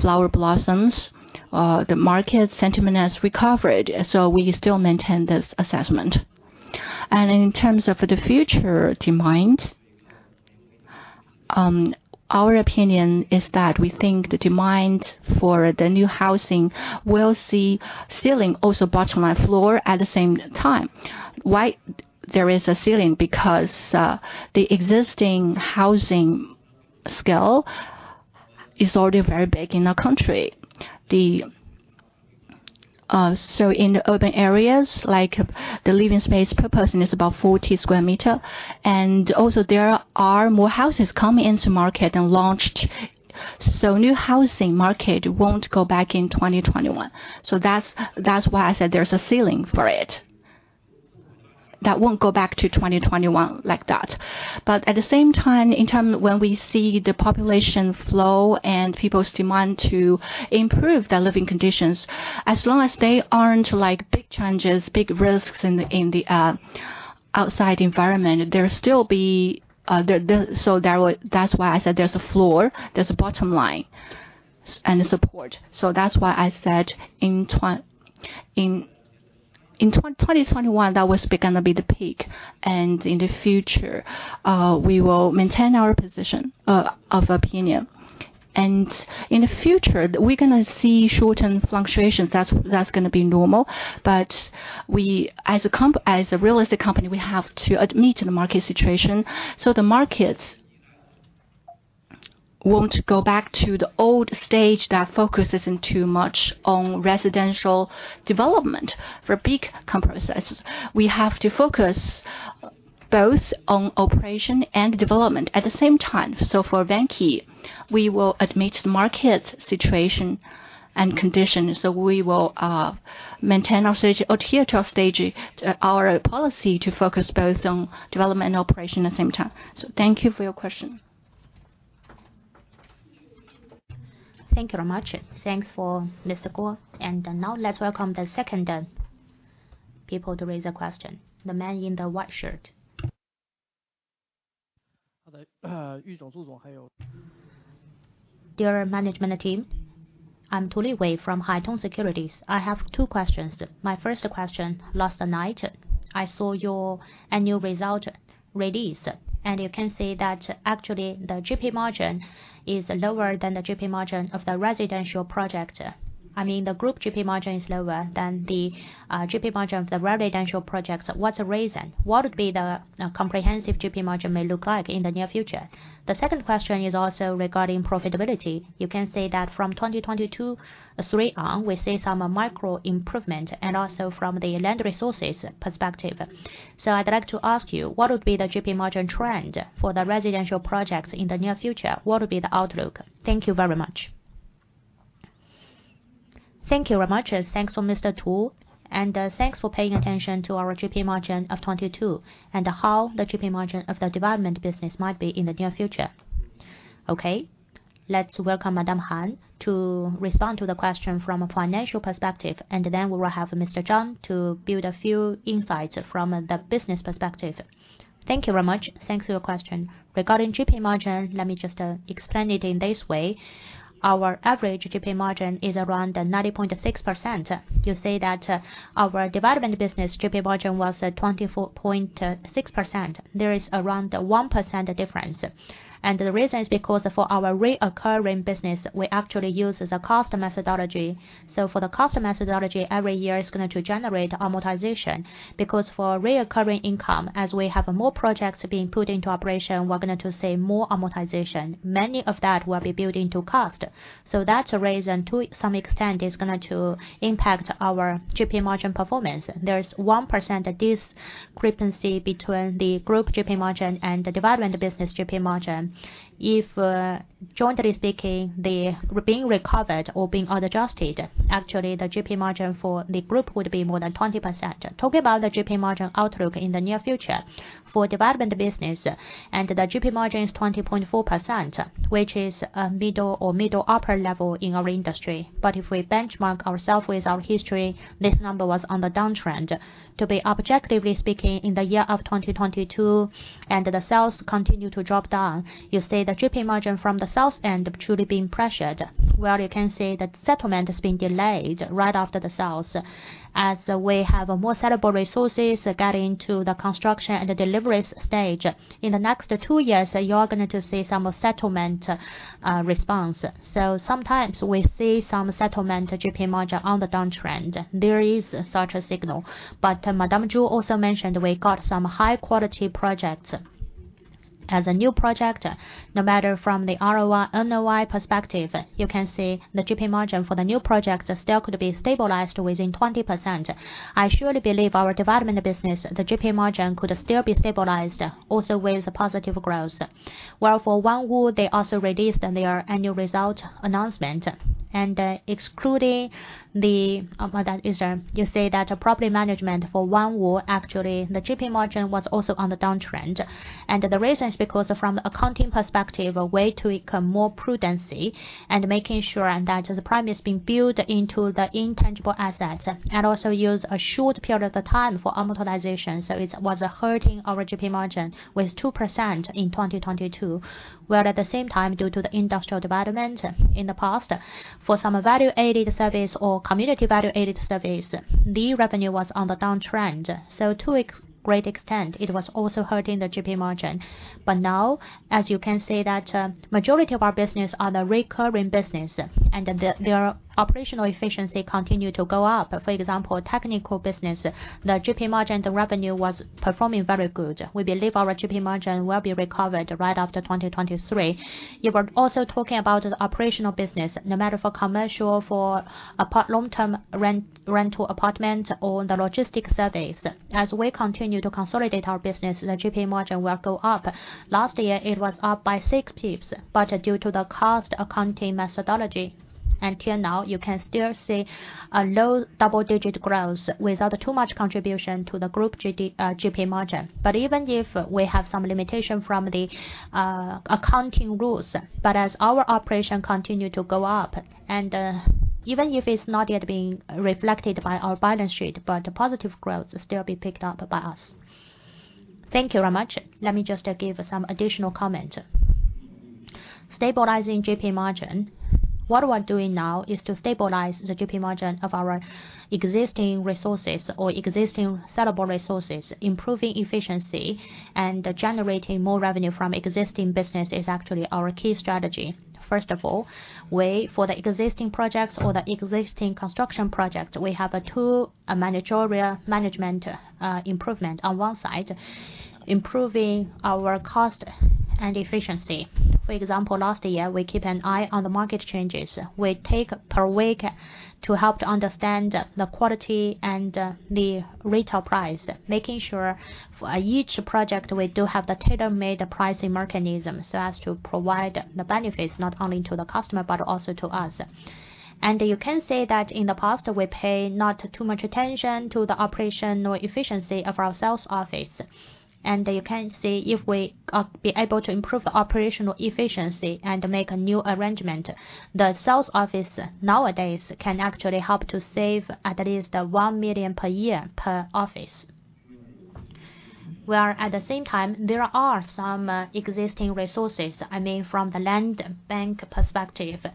flower blossoms. The market sentiment has recovered, so we still maintain this assessment. In terms of the future demand, our opinion is that we think the demand for the new housing will see ceiling also bottom and floor at the same time. Why there is a ceiling? Because the existing housing scale is already very big in the country. So in the urban areas, like, the living space per person is about 40 sqm. Also there are more houses coming into market and launched. New housing market won't go back in 2021. That's why I said there's a ceiling for it. That won't go back to 2021 like that. At the same time, in term when we see the population flow and people's demand to improve their living conditions, as long as they aren't like big changes, big risks in the outside environment, That's why I said there's a floor, there's a bottom line and a support. That's why I said in 2021, that was gonna be the peak. In the future, we will maintain our position of opinion. In the future, we're gonna see short-term fluctuations. That's gonna be normal. We as a real estate company, we have to admit the market situation. The markets won't go back to the old stage that focuses in too much on residential development for big companies. We have to focus both on operation and development at the same time. For Vanke, we will admit the market situation and conditions, we will adhere to our stage, our policy to focus both on development and operation at the same time. Thank you for your question. Thank you very much. Thanks for Mr. Guo. Now let's welcome the second people to raise a question. The man in the white shirt. Dear management team, I'm Tu Lilei from Haitong Securities. I have two questions. My first question, last night, I saw your annual result released. You can see that actually the GP margin is lower than the GP margin of the residential project. I mean, the group GP margin is lower than the GP margin of the residential projects. What's the reason? What would be the comprehensive GP margin may look like in the near future? The second question is also regarding profitability. You can see that from 2022, three on, we see some micro improvement and also from the land resources perspective. I'd like to ask you, what would be the GP margin trend for the residential projects in the near future? What would be the outlook? Thank you very much. Thank you very much. Thanks for Mr. Tu, thanks for paying attention to our GP margin of 22 and how the GP margin of the development business might be in the near future. Let's welcome Madame Han to respond to the question from a financial perspective, and then we will have Mr. Zhang to build a few insights from the business perspective. Thank you very much. Thanks for your question. Regarding GP margin, let me just explain it in this way. Our average GP margin is around 90.6%. You say that our development business GP margin was 24.6%. There is around 1% difference. The reason is because for our recurring business, we actually use the cost methodology. For the cost methodology, every year is going to generate amortization. For recurring income, as we have more projects being put into operation, we're going to see more amortization. Many of that will be built into cost. That's a reason to some extent is going to impact our GP margin performance. There's 1% discrepancy between the Group GP margin and the Development Business GP margin. If jointly speaking, they being recovered or being unadjusted, actually the GP margin for the Group would be more than 20%. Talking about the GP margin outlook in the near future for Development Business and the GP margin is 20.4%, which is a middle or middle upper level in our industry. If we benchmark ourself with our history, this number was on the downtrend. To be objectively speaking, in the year of 2022 and the sales continue to drop down, you see the GP margin from the sales end truly being pressured, where you can see the settlement is being delayed right after the sales. As we have more sellable resources getting to the construction and the deliveries stage, in the next two years, you're going to see some settlement response. Sometimes we see some settlement GP margin on the downtrend. There is such a signal. Madame Zhu also mentioned we got some high quality projects. As a new project, no matter from the ROI, NOI perspective, you can see the GP margin for the new project still could be stabilized within 20%. I surely believe our development business, the GP margin could still be stabilized also with positive growth. While for Onewo, they also released their annual result announcement and excluding the property management for Onewo, actually, the GP margin was also on the downtrend. The reason is because from accounting perspective, a way to become more prudence and making sure that the prime is being built into the intangible assets and also use a short period of time for amortization. It was hurting our GP margin with 2% in 2022. Where at the same time, due to the industrial development in the past, for some value-added service or community value-added service, the revenue was on the downtrend. To a great extent, it was also hurting the GP margin. Now, as you can see that, majority of our business are the recurring business and their operational efficiency continue to go up. For example, technical business, the GP margin, the revenue was performing very good. We believe our GP margin will be recovered right after 2023. You were also talking about the operational business, no matter for commercial, for long-term rental apartment or the logistics services. As we continue to consolidate our business, the GP margin will go up. Last year, it was up by six pips, due to the cost accounting methodology, until now, you can still see a low double-digit growth without too much contribution to the group GP margin. Even if we have some limitation from the accounting rules, but as our operation continue to go up and even if it's not yet being reflected by our balance sheet, but the positive growth still be picked up by us. Thank you very much. Let me just give some additional comment. Stabilizing GP margin. What we are doing now is to stabilize the GP margin of our existing resources or existing sellable resources. Improving efficiency and generating more revenue from existing business is actually our key strategy. First of all, way for the existing projects or the existing construction project, we have a two managerial management improvement. On one side, improving our cost and efficiency. For example, last year, we keep an eye on the market changes. We take per week to help to understand the quality and the retail price, making sure for each project, we do have the tailor-made pricing mechanism so as to provide the benefits not only to the customer but also to us. You can say that in the past, we pay not too much attention to the operational efficiency of our sales office. You can see if we are be able to improve the operational efficiency and make a new arrangement. The sales office nowadays can actually help to save at least 1 million per year per office. Where at the same time, there are some existing resources. I mean, from the land bank perspective.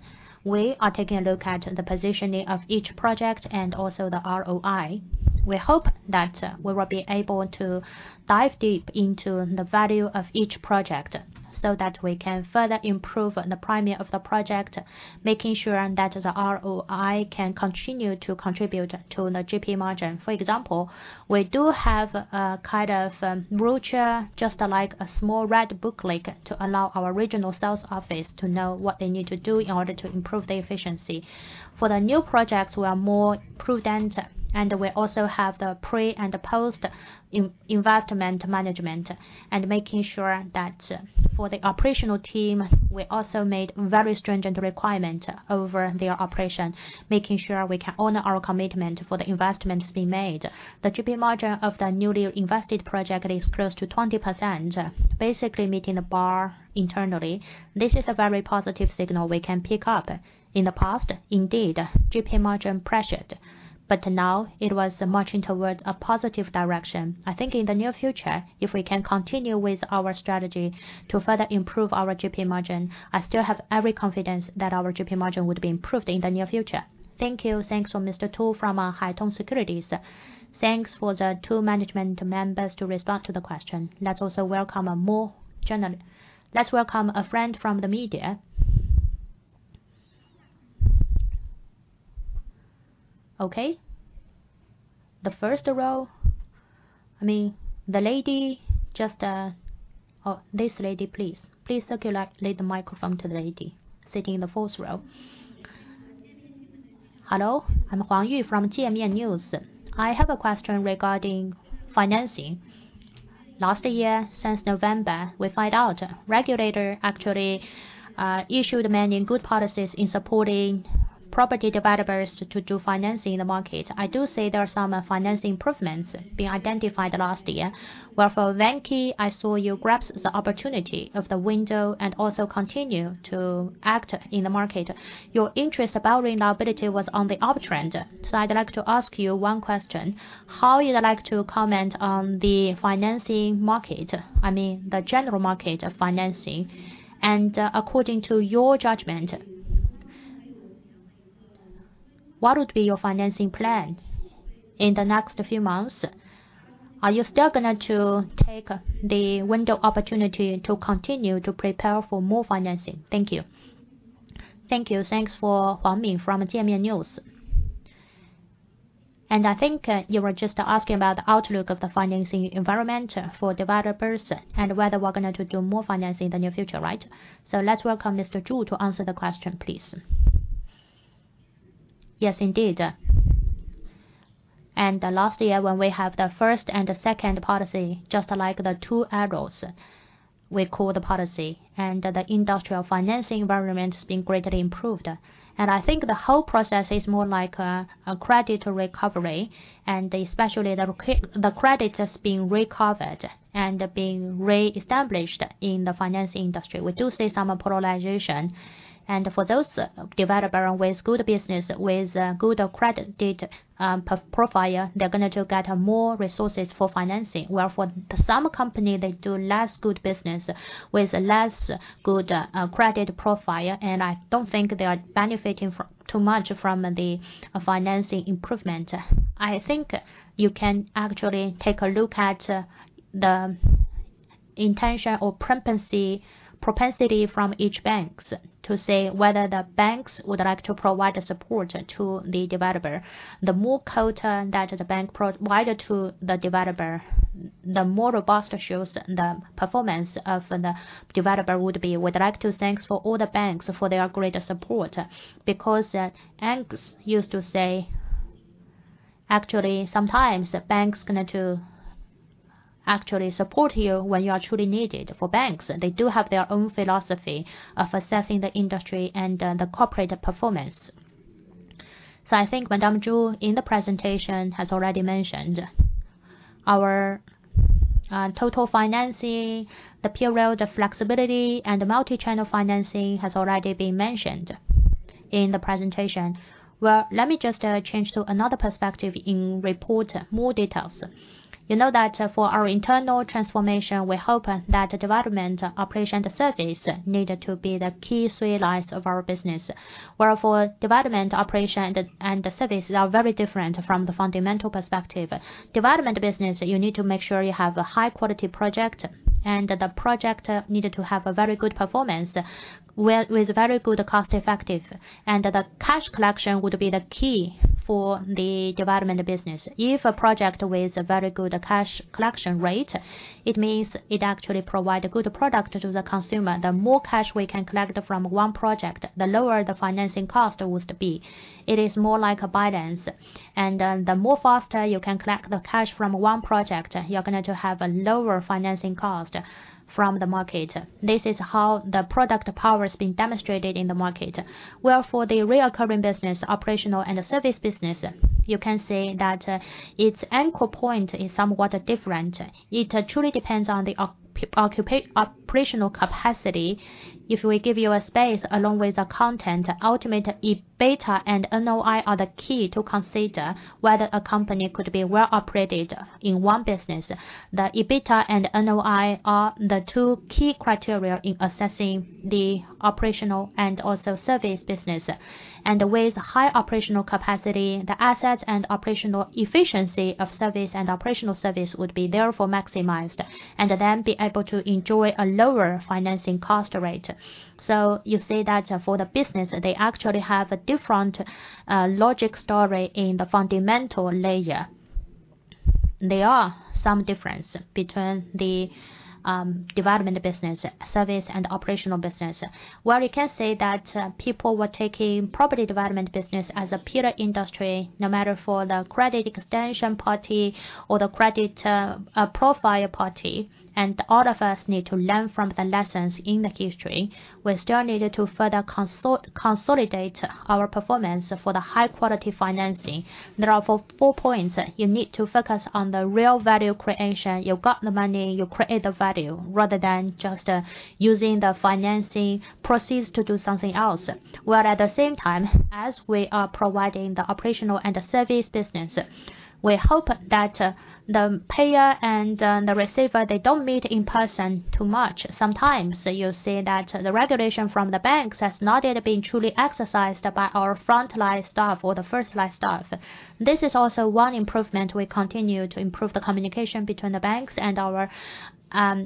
We are taking a look at the positioning of each project and also the ROI. We hope that we will be able to dive deep into the value of each project so that we can further improve the priming of the project, making sure that the ROI can continue to contribute to the GP margin. For example, we do have a kind of brochure, just like a small red booklet, to allow our regional sales office to know what they need to do in order to improve the efficiency. For the new projects, we are more prudent, and we also have the pre and post in-investment management and making sure that for the operational team, we also made very stringent requirement over their operation, making sure we can honor our commitment for the investments being made. The GP margin of the newly invested project is close to 20%, basically meeting the bar internally. This is a very positive signal we can pick up. In the past, indeed, GP margin pressured. Now it was marching towards a positive direction. I think in the near future, if we can continue with our strategy to further improve our GP margin, I still have every confidence that our GP margin would be improved in the near future. Thank you. Thanks for Mr. Tu from our Haitong Securities. Thanks for the two management members to respond to the question. Let's also welcome a friend from the media. Okay. The first row. I mean, the lady just... Oh, this lady, please. Please circulate the microphone to the lady sitting in the fourth row. Hello, I'm Huang Yu from CME News. I have a question regarding financing. Last year, since November, we find out regulator actually issued many good policies in supporting property developers to do financing in the market. I do see there are some financing improvements being identified last year. Where for Vanke, I saw you grabbed the opportunity of the window and also continue to act in the market. Your interest about reliability was on the uptrend. I'd like to ask you one question, how you like to comment on the financing market, I mean, the general market of financing? According to your judgment, what would be your financing plan in the next few months? Are you still going to take the window opportunity to continue to prepare for more financing? Thank you. Thanks for Huang Yu from CME News. I think you were just asking about the outlook of the financing environment for developers and whether we're gonna do more financing in the near future, right? Let's welcome Mr. Zhu to answer the question, please. Yes, indeed. Last year when we have the first and second policy, just like the two arrows, we call the policy, the industrial financing environment has been greatly improved. I think the whole process is more like a credit recovery, especially the credit that's been recovered and been reestablished in the finance industry. We do see some polarization. For those developer with good business, with good credit data, profile, they're gonna to get more resources for financing. Where for some company, they do less good business with less good credit profile. I don't think they are benefiting too much from the financing improvement. I think you can actually take a look at the intention or propensity from each banks to say whether the banks would like to provide support to the developer. The more quota that the bank provide to the developer, the more robust shows the performance of the developer would be. We'd like to thanks for all the banks for their greater support, because banks used to say... Actually, sometimes the bank's gonna actually support you when you are truly needed. For banks, they do have their own philosophy of assessing the industry and the corporate performance. I think Madame Zhu in the presentation has already mentioned our total financing, the period, the flexibility, and the multi-channel financing has already been mentioned in the presentation. Well, let me just change to another perspective in report more details. You know that for our internal transformation, we hope that development, operation, and service need to be the key three lines of our business. Wherefor development, operation, and the services are very different from the fundamental perspective. Development business, you need to make sure you have a high quality project and the project needed to have a very good performance with very good cost effective. The cash collection would be the key for the development business. If a project with a very good cash collection rate, it means it actually provide a good product to the consumer. The more cash we can collect from one project, the lower the financing cost would be. It is more like a balance. The more faster you can collect the cash from one project, you're gonna have a lower financing cost from the market. This is how the product power is being demonstrated in the market. Where for the recurring business, operational, and the service business, you can say that its anchor point is somewhat different. It truly depends on the operational capacity. If we give you a space along with the content, ultimate EBITDA and NOI are the key to consider whether a company could be well operated in one business. The EBITDA and NOI are the two key criteria in assessing the operational and also service business. With high operational capacity, the assets and operational efficiency of service and operational service would be therefore maximized, and then be able to enjoy a lower financing cost rate. You see that for the business, they actually have a different logic story in the fundamental layer. There are some difference between the development business, service, and operational business. You can say that people were taking property development business as a peer industry, no matter for the credit extension party or the credit profile party. All of us need to learn from the lessons in the history. We still needed to further consolidate our performance for the high quality financing. There are four points. You need to focus on the real value creation. You got the money, you create the value, rather than just using the financing proceeds to do something else. At the same time as we are providing the operational and the service business, we hope that the payer and the receiver, they don't meet in person too much. Sometimes you see that the regulation from the banks has not yet been truly exercised by our front line staff or the first line staff. This is also one improvement. We continue to improve the communication between the banks and our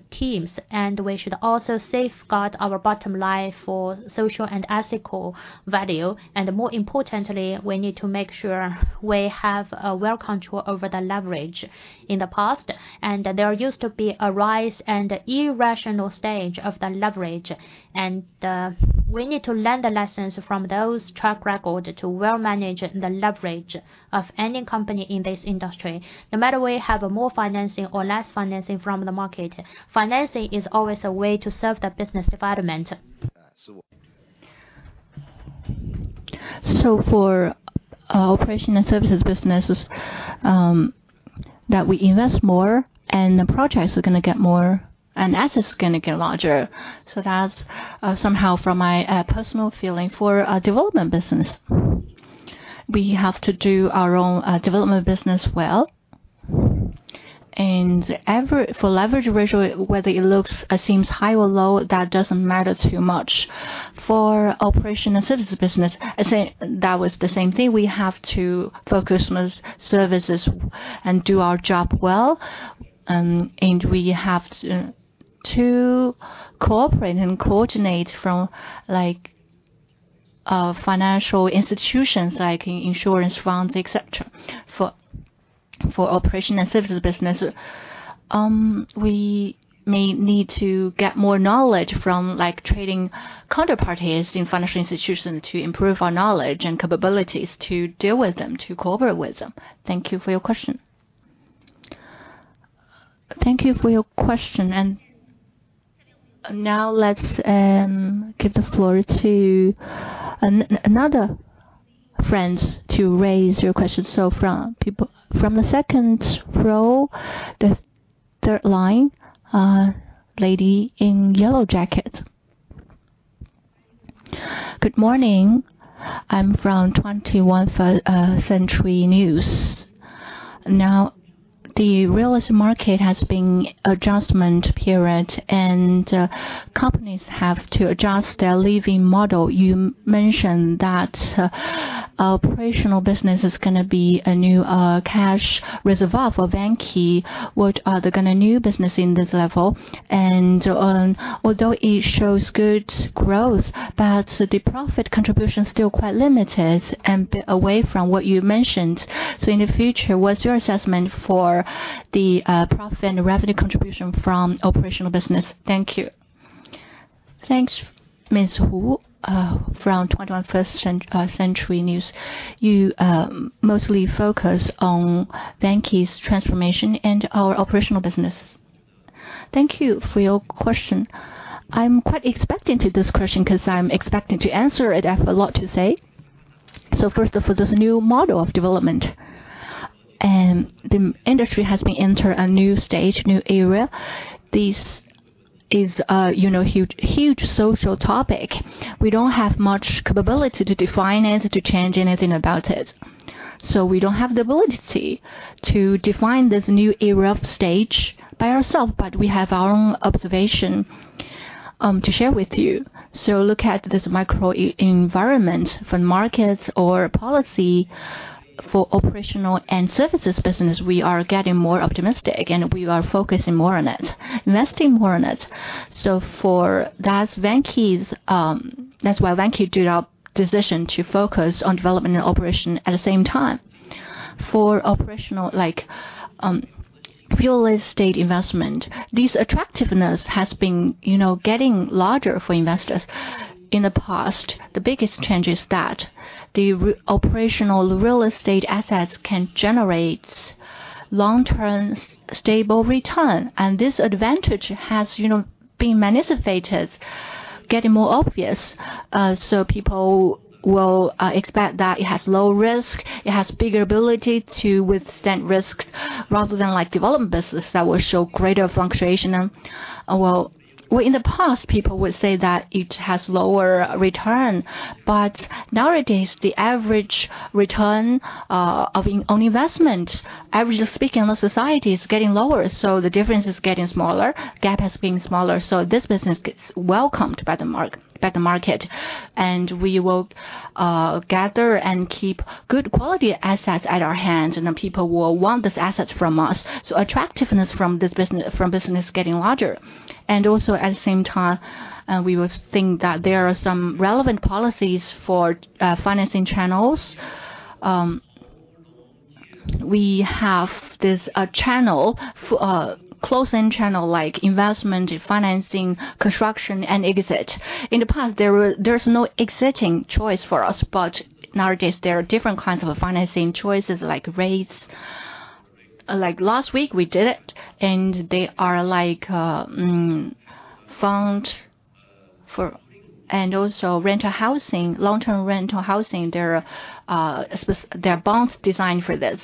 teams, we should also safeguard our bottom line for social and ethical value. More importantly, we need to make sure we have a well control over the leverage in the past. There used to be a rise and irrational stage of the leverage. We need to learn the lessons from those track record to well manage the leverage of any company in this industry. No matter we have more financing or less financing from the market, financing is always a way to serve the business development. For our operation and services businesses, that we invest more and the projects are gonna get more, and assets gonna get larger. That's somehow from my personal feeling for our development business. We have to do our own development business well. Ever-for leverage ratio, whether it looks or seems high or low, that doesn't matter too much. For operation and services business, I say that was the same thing. We have to focus on services and do our job well. We have to cooperate and coordinate from, like financial institutions like insurance firms, et cetera. For operation and services business, we may need to get more knowledge from, like, trading counterparties in financial institutions to improve our knowledge and capabilities to deal with them, to cooperate with them. Thank you for your question. Thank you for your question. Now let's give the floor to another friends to raise your question. From the second row, the third line, lady in yellow jacket. Good morning. I'm from 21st Century Business Herald. The real estate market has been adjustment period, companies have to adjust their living model. You mentioned that operational business is gonna be a new cash reserve of Vanke. What are the kinda new business in this level? Although it shows good growth, the profit contribution is still quite limited and a bit away from what you mentioned. In the future, what's your assessment for the profit and revenue contribution from operational business? Thank you. Thanks, Ms. Wu, from 21st Century Business Herald. You mostly focus on Vanke's transformation and our operational business. Thank you for your question. I'm quite expecting to this question 'cause I'm expecting to answer it. I have a lot to say. First of all, this new model of development and the industry has been enter a new stage, new era. This is a, you know, huge, huge social topic. We don't have much capability to define it or to change anything about it. We don't have the ability to define this new era of stage by ourselves, but we have our own observation, to share with you. Look at this micro e-environment for markets or policy. For operational and services business, we are getting more optimistic, and we are focusing more on it, investing more on it. For that Vanke's... That's why Vanke did our decision to focus on development and operation at the same time. For operational, like, real estate investment, this attractiveness has been, you know, getting larger for investors. In the past, the biggest change is that the operational real estate assets can generate long-term stable return, and this advantage has, you know, been manifested, getting more obvious. So people will expect that it has low risk, it has bigger ability to withstand risks rather than like development business that will show greater fluctuation. Well, in the past, people would say that it has lower return, but nowadays the average return of an investment, averages speaking in the society is getting lower, so the difference is getting smaller, gap has been smaller, so this business gets welcomed by the market. We will gather and keep good quality assets at our hand, and then people will want these assets from us. Attractiveness from this business getting larger. At the same time, we would think that there are some relevant policies for financing channels. We have this channel close end channel like investment, financing, construction and exit. In the past, there was no exiting choice for us, but nowadays there are different kinds of financing choices like REITs. Like last week we did it, and they are like fund for... And also rental housing, long-term rental housing, there are bonds designed for this.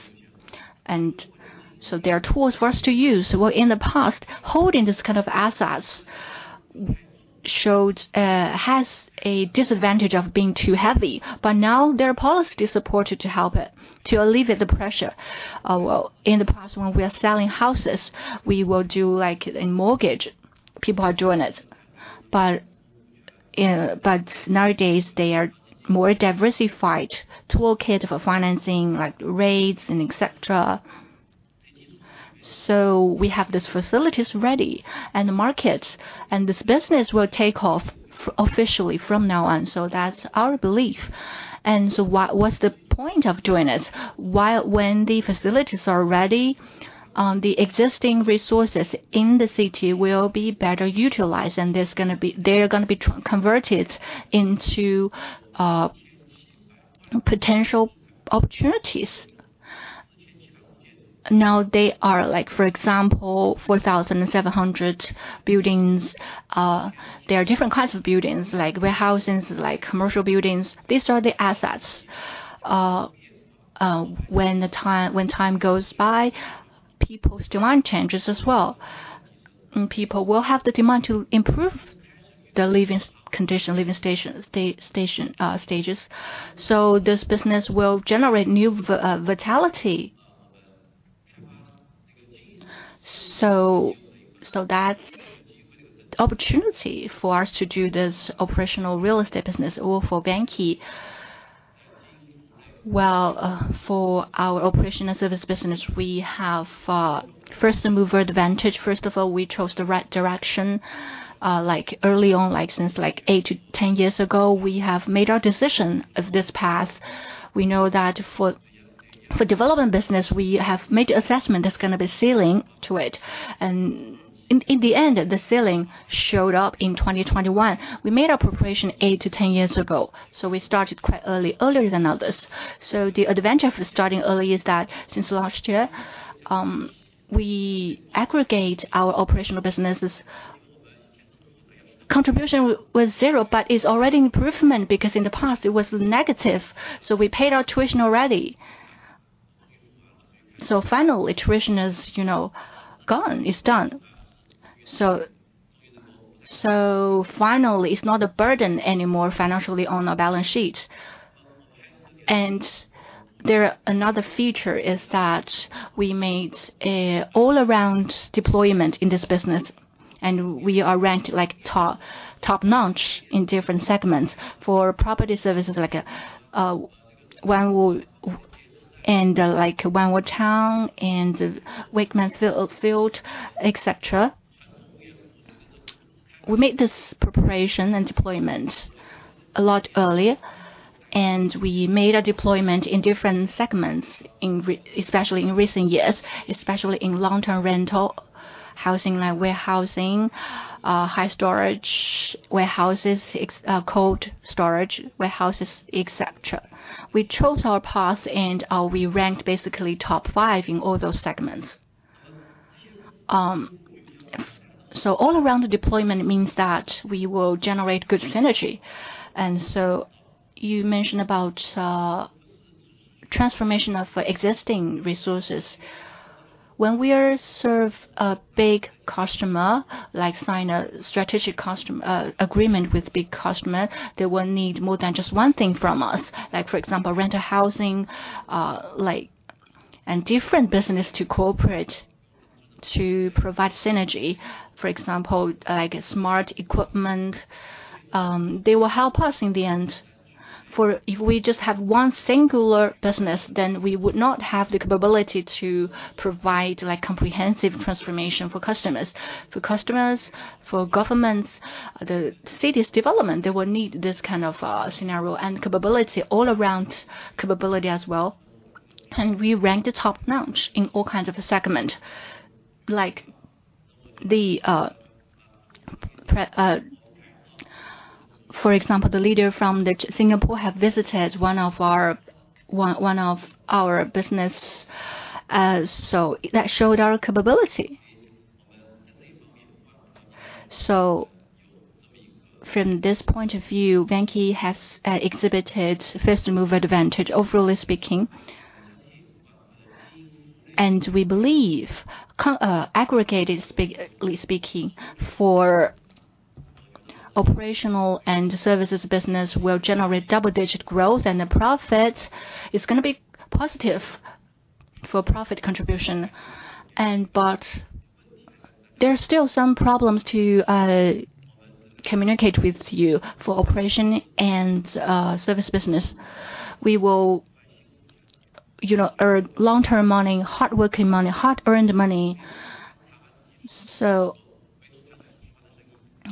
There are tools for us to use. In the past, holding these kind of assets showed, has a disadvantage of being too heavy, but now there are policy supported to help it to alleviate the pressure. Well, in the past, when we are selling houses, we will do like a mortgage. People are doing it. Nowadays they are more diversified toolkit for financing like REITs and et cetera. We have these facilities ready and the markets, and this business will take off officially from now on. That's our belief. What's the point of doing it? When the facilities are ready, the existing resources in the city will be better utilized, and they're gonna be converted into potential opportunities. Now they are like, for example, 4,700 buildings. There are different kinds of buildings, like warehouses, like commercial buildings. These are the assets. When time goes by, people's demand changes as well. People will have the demand to improve their living condition, living stages. This business will generate new vitality. That's opportunity for us to do this operational real estate business or for Vanke. Well, for our operation and service business, we have first mover advantage. First of all, we chose the right direction, like early on, like since eight to 10 years ago, we have made our decision of this path. We know that for development business, we have made assessment that's gonna be ceiling to it. In the end, the ceiling showed up in 2021. We made our preparation eight to 10 years ago, so we started quite early, earlier than others. The advantage of starting early is that since last year, we aggregate our operational businesses. Contribution was zero, it's already improvement because in the past, it was negative. We paid our tuition already. Finally, tuition is, you know, gone. It's done. Finally, it's not a burden anymore financially on our balance sheet. Another feature is that we made a all-around deployment in this business, and we are ranked like top-notch in different segments. For property services like Onewo and, like, Onewo Town and Wakeman Field, et cetera. We made this preparation and deployment a lot earlier, we made a deployment in different segments especially in recent years, especially in long-term rental housing like warehousing, high storage warehouses, cold storage warehouses, et cetera. We chose our path, we ranked basically top five in all those segments. All around the deployment means that we will generate good synergy. You mentioned about transformation of existing resources. When we are serve a big customer, like sign a strategic agreement with big customer, they will need more than just one thing from us. For example, rental housing. Different business to cooperate to provide synergy. For example, smart equipment, they will help us in the end. If we just have one singular business, then we would not have the capability to provide comprehensive transformation for customers. For customers, for governments, the city's development, they will need this kind of scenario and capability, all around capability as well. We ranked top-notch in all kinds of segment. Like the, for example, the leader from the Singapore have visited one of our business. That showed our capability. From this point of view, Vanke has exhibited first-mover advantage, overall speaking. We believe aggregated speaking, for operational and services business will generate double-digit growth, and the profit is gonna be positive for profit contribution. There are still some problems to communicate with you for operation and service business. We will, you know, earn long-term money, hard-working money, hard-earned money.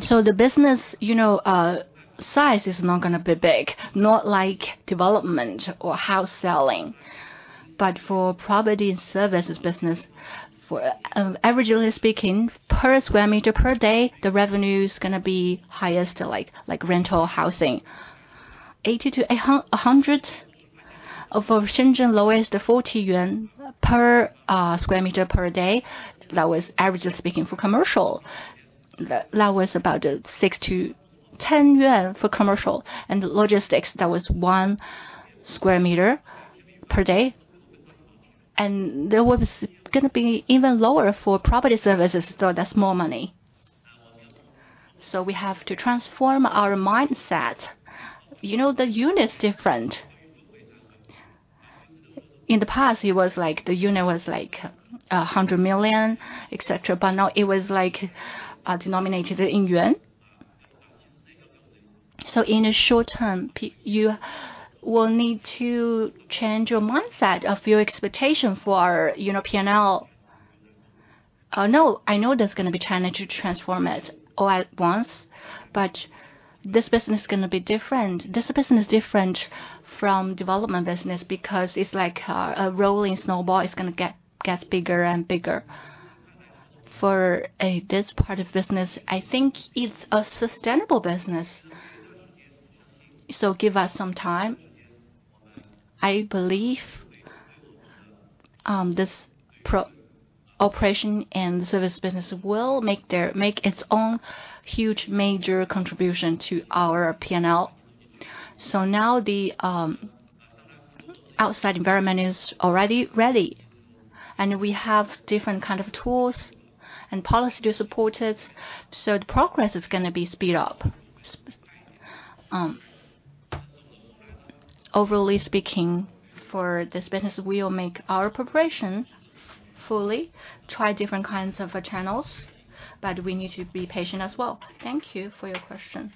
The business, you know, size is not gonna be big, not like development or house selling. For property and services business, for averagely speaking, per sqm per day, the revenue is gonna be highest to rental housing, 80-100 of our Shenzhen lowest, 40 yuan per sqm per day. That was averagely speaking for commercial. That was about 6-10 yuan for commercial and logistics. That was 1 sqm per day. That was gonna be even lower for property services, so that's more money. We have to transform our mindset. You know, the unit's different. In the past, it was like, the unit was like 100 million, et cetera, but now it was like, denominated in yuan. In the short term you will need to change your mindset of your expectation for, you know, P&L. I know that's gonna be challenging to transform it all at once, this business is gonna be different. This business is different from development business because it's like a rolling snowball. It's gonna get bigger and bigger. For this part of business, I think it's a sustainable business. Give us some time. I believe this operation and service business will make its own huge major contribution to our P&L. Now the outside environment is already ready, and we have different kind of tools and policy to support it, the progress is gonna be speed up. Overly speaking, for this business, we will make our preparation Fully try different kinds of channels, but we need to be patient as well. Thank you for your question.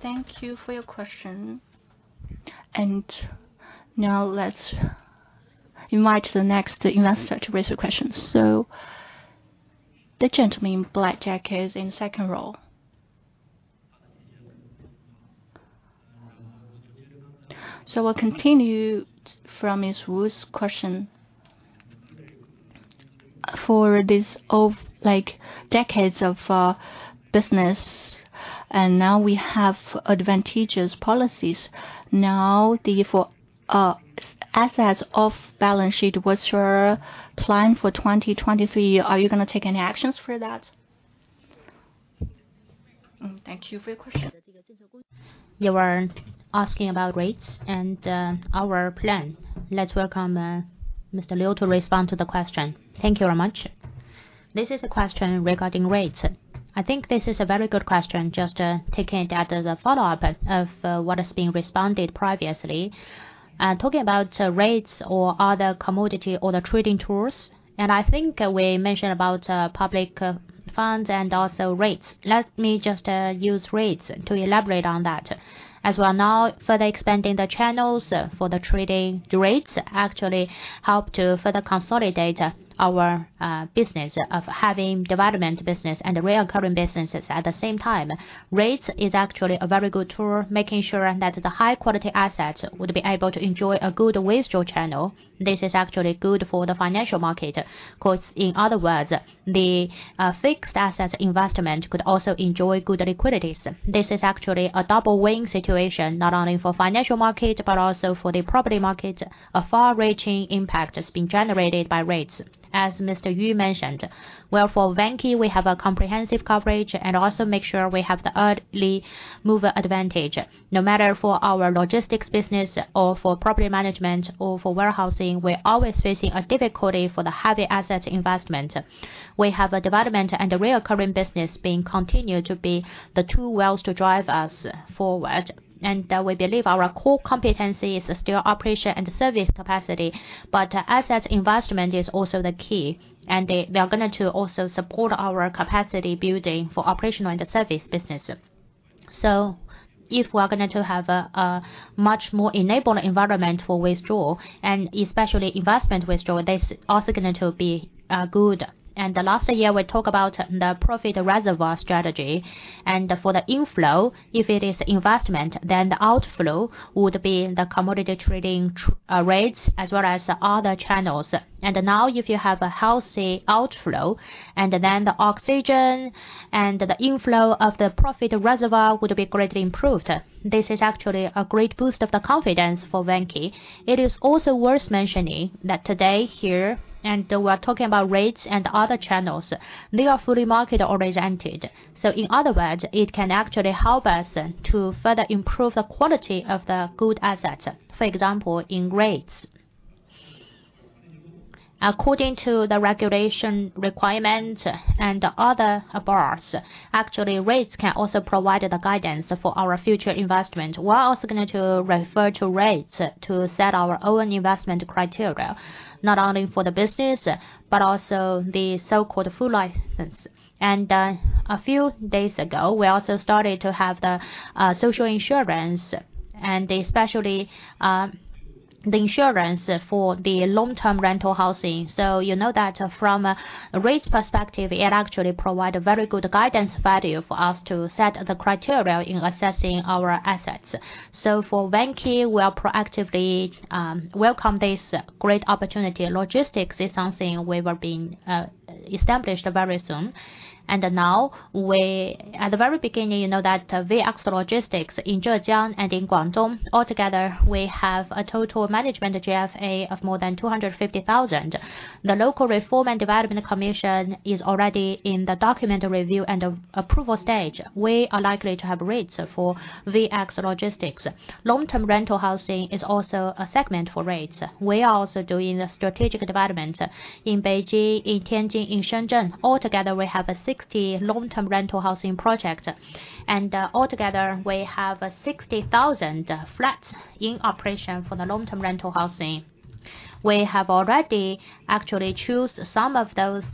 Thank you for your question. Now let's invite the next investor to raise your question. The gentleman in black jacket in second row. We'll continue from Miss Wu's question. For this of like decades of business, and now we have advantageous policies. Now, for assets off balance sheet, what's your plan for 2023? Are you gonna take any actions for that? Thank you for your question. You are asking about REITs and our plan. Let's welcome Mr. Liu to respond to the question. Thank you very much. This is a question regarding REITs. I think this is a very good question, just taking it as a follow-up of what is being responded previously. Talking about REITs or other commodity or the trading tools, I think we mentioned about public funds and also REITs. Let me just use REITs to elaborate on that. As we are now further expanding the channels for the trading REITs actually help to further consolidate our business of having development business and the reoccurring businesses at the same time. REITs is actually a very good tool, making sure that the high quality assets would be able to enjoy a good withdrawal channel. This is actually good for the financial market, 'cause in other words, the fixed assets investment could also enjoy good liquidities. This is actually a double-wing situation, not only for financial market, but also for the property market. A far-reaching impact is being generated by REITs, as Mr. Yu Liang mentioned. Well, for Vanke, we have a comprehensive coverage and also make sure we have the early mover advantage. No matter for our logistics business or for property management or for warehousing, we're always facing a difficulty for the heavy asset investment. We have a development and a reoccurring business being continued to be the two wells to drive us forward. We believe our core competency is still operation and service capacity, but assets investment is also the key. They are gonna to also support our capacity building for operation and the service business. If we're gonna to have a much more enabled environment for withdrawal and especially investment withdrawal, that's also going to be good. Last year, we talked about the Profit Reservoir Strategy. For the inflow, if it is investment, then the outflow would be the commodity trading REITs as well as other channels. Now, if you have a healthy outflow and then the oxygen and the inflow of the profit reservoir would be greatly improved. This is actually a great boost of the confidence for Vanke. It is also worth mentioning that today here, we're talking about REITs and other channels, they are fully market-oriented. In other words, it can actually help us to further improve the quality of the good assets, for example, in REITs. According to the regulation requirement and other bars, actually REITs can also provide the guidance for our future investment. We are also going to refer to REITs to set our own investment criteria, not only for the business, but also the so-called full license. A few days ago, we also started to have the social insurance and especially the insurance for the long-term rental housing. You know that from a REITs perspective, it actually provide a very good guidance value for us to set the criteria in assessing our assets. For Vanke, we are proactively welcome this great opportunity. Logistics is something we were being established very soon. Now, at the very beginning, you know that VX Logistics in Zhejiang and in Guangdong, altogether, we have a total management GFA of more than 250,000. The local reform and development commission is already in the document review and approval stage. We are likely to have REITs for VX Logistics. Long-term rental housing is also a segment for REITs. We are also doing the strategic development in Beijing, in Tianjin, in Shenzhen. Altogether, we have a 60 long-term rental housing project. Altogether, we have 60,000 flats in operation for the long-term rental housing. We have already actually choose some of those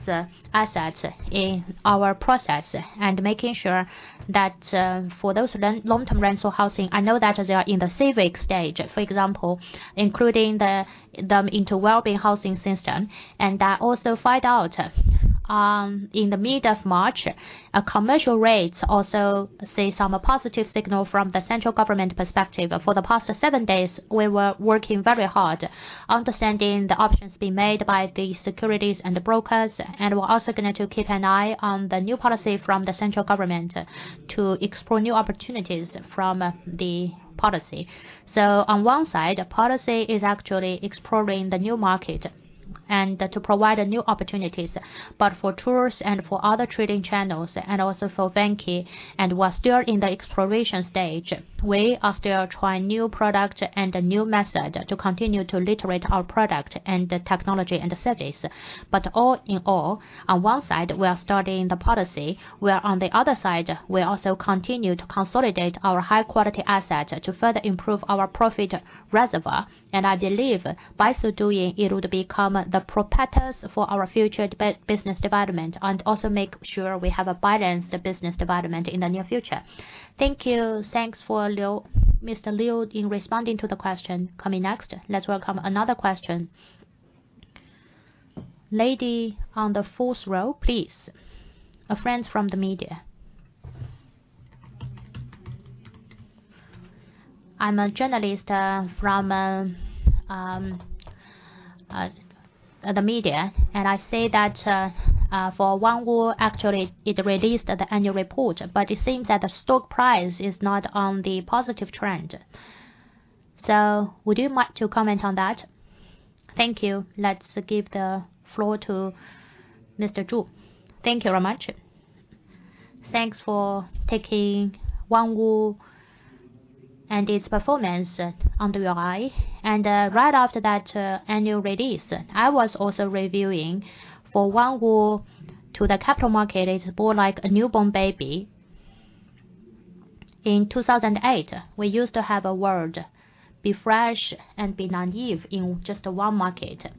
assets in our process and making sure that for those long-term rental housing, I know that they are in the civic stage, for example, including them into well-being housing system. I also find out in the mid of March, a commercial REITs also see some positive signal from the central government perspective. For the past seven days, we were working very hard understanding the options being made by the securities and the brokers. We're also going to keep an eye on the new policy from the central government to explore new opportunities from the policy. On one side, policy is actually exploring the new market and to provide new opportunities, but for tours and for other trading channels and also for Vanke and we're still in the exploration stage. We are still trying new product and a new method to continue to literate our product and the technology and the service. All in all, on one side, we are studying the policy, where on the other side, we also continue to consolidate our high quality asset to further improve our profit reservoir. I believe by so doing, it would become the propellers for our future business development and also make sure we have a balanced business development in the near future. Thank you. Thanks for Mr. Liu in responding to the question. Coming next, let's welcome another question. Lady on the fourth row, please. A friend from the media. I'm a journalist from the media. I say that for Onewo actually it released the annual report, but it seems that the stock price is not on the positive trend. Would you like to comment on that? Thank you. Let's give the floor to Mr. Zhu. Thank you very much. Thanks for taking Onewo and its performance under your eye. Right after that annual release, I was also reviewing for Onewo to the capital market is more like a newborn baby. In 2008, we used to have a word: be fresh and be naive in just one market.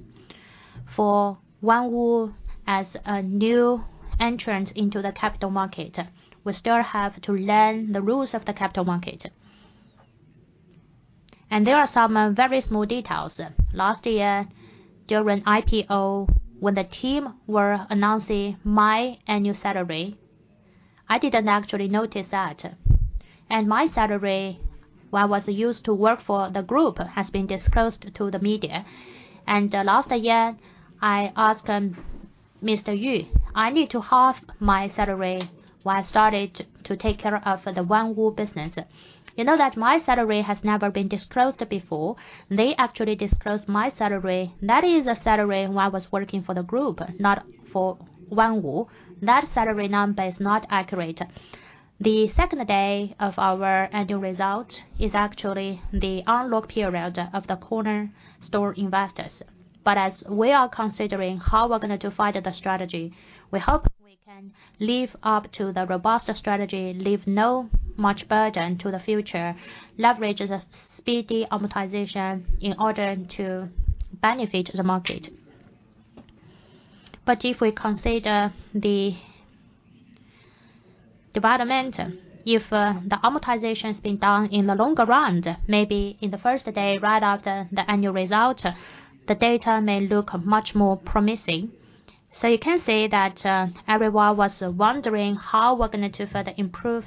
For Onewo as a new entrant into the capital market, we still have to learn the rules of the capital market. There are some very small details. Last year, during IPO, when the team were announcing my annual salary, I didn't actually notice that. My salary, when I was used to work for the group, has been disclosed to the media. Last year, I asked Mr. Yu, "I need to half my salary while I started to take care of the Onewo business." You know that my salary has never been disclosed before. They actually disclosed my salary. That is a salary when I was working for the group, not for Onewo. That salary number is not accurate. The second day of our annual result is actually the unlock period of the corner store investors. As we are considering how we're gonna define the strategy, we hope we can live up to the robust strategy, leave no much burden to the future, leverage the speedy amortization in order to benefit the market. If we consider the development, if the amortization has been done in the longer run, maybe in the first day right after the annual result, the data may look much more promising. You can say that everyone was wondering how we're gonna to further improve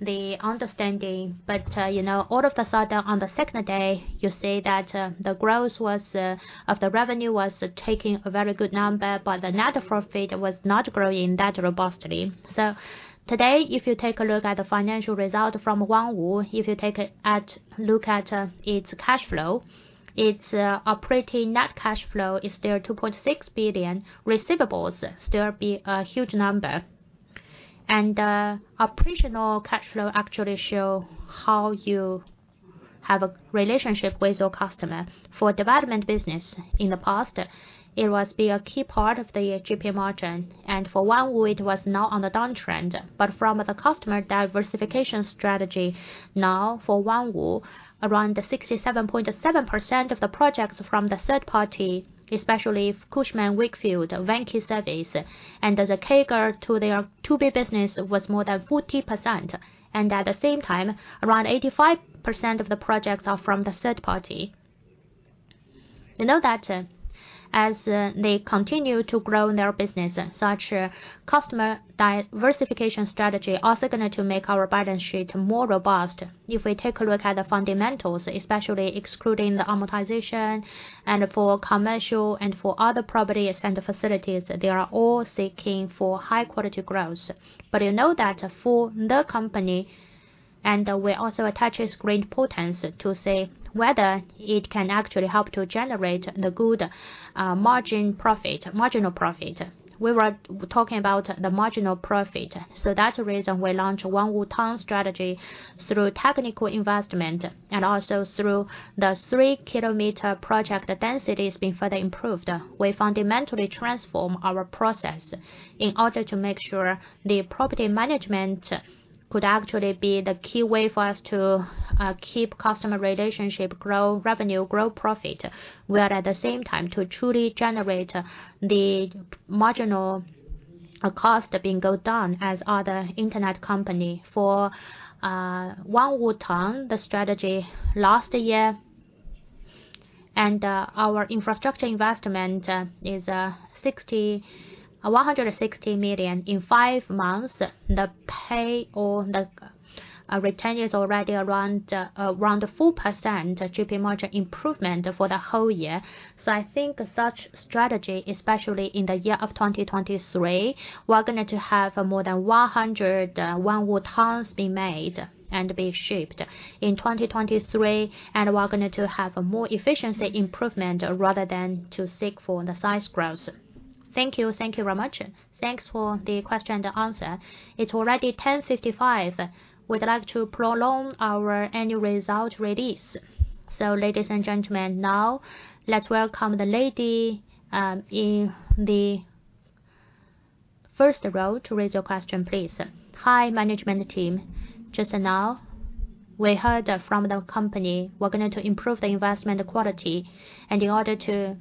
the understanding. You know, all of a sudden, on the second day, you see that the growth was of the revenue was taking a very good number, but the net profit was not growing that robustly. Today, if you take a look at the financial result from Onewo, if you take a look at its cash flow, its operating net cash flow is still 2.6 billion. Receivables still be a huge number. Operational cash flow actually show how you have a relationship with your customer. For development business in the past, it was be a key part of the GP margin. For Onewo, it was now on the downtrend. From the customer diversification strategy, now for Onewo, around 67.7% of the projects from the third party, especially Cushman & Wakefield, Vanke Service, and as a CAGR to B business was more than 40%. At the same time, around 85% of the projects are from the third party. You know that, as they continue to grow their business, such customer diversification strategy also gonna to make our balance sheet more robust. If we take a look at the fundamentals, especially excluding the amortization and for commercial and for other properties and facilities, they are all seeking for high quality growth. You know that for the company, we also attach its great importance to say whether it can actually help to generate the good marginal profit. We were talking about the marginal profit. That's the reason we launched Onewo Town strategy through technical investment and also through the 3 km project densities being further improved. We fundamentally transform our process in order to make sure the property management could actually be the key way for us to keep customer relationship, grow revenue, grow profit, while at the same time to truly generate the marginal cost of being go down as other internet company. For Onewo Town, the strategy last year, our infrastructure investment is 160 million in five months. The pay or the return is already around 4% GP margin improvement for the whole year. I think such strategy, especially in the year of 2023, we're gonna to have more than 100 Onewo Towns being made and be shipped in 2023. We're gonna to have a more efficiency improvement rather than to seek for the size growth. Thank you. Thank you very much. Thanks for the question and answer. It's already 10:55 A.M. We'd like to prolong our annual result release. Ladies and gentlemen, now let's welcome the lady in the first row to raise your question, please. Hi, management team. Just now, we heard from the company, we're going to improve the investment quality and in order to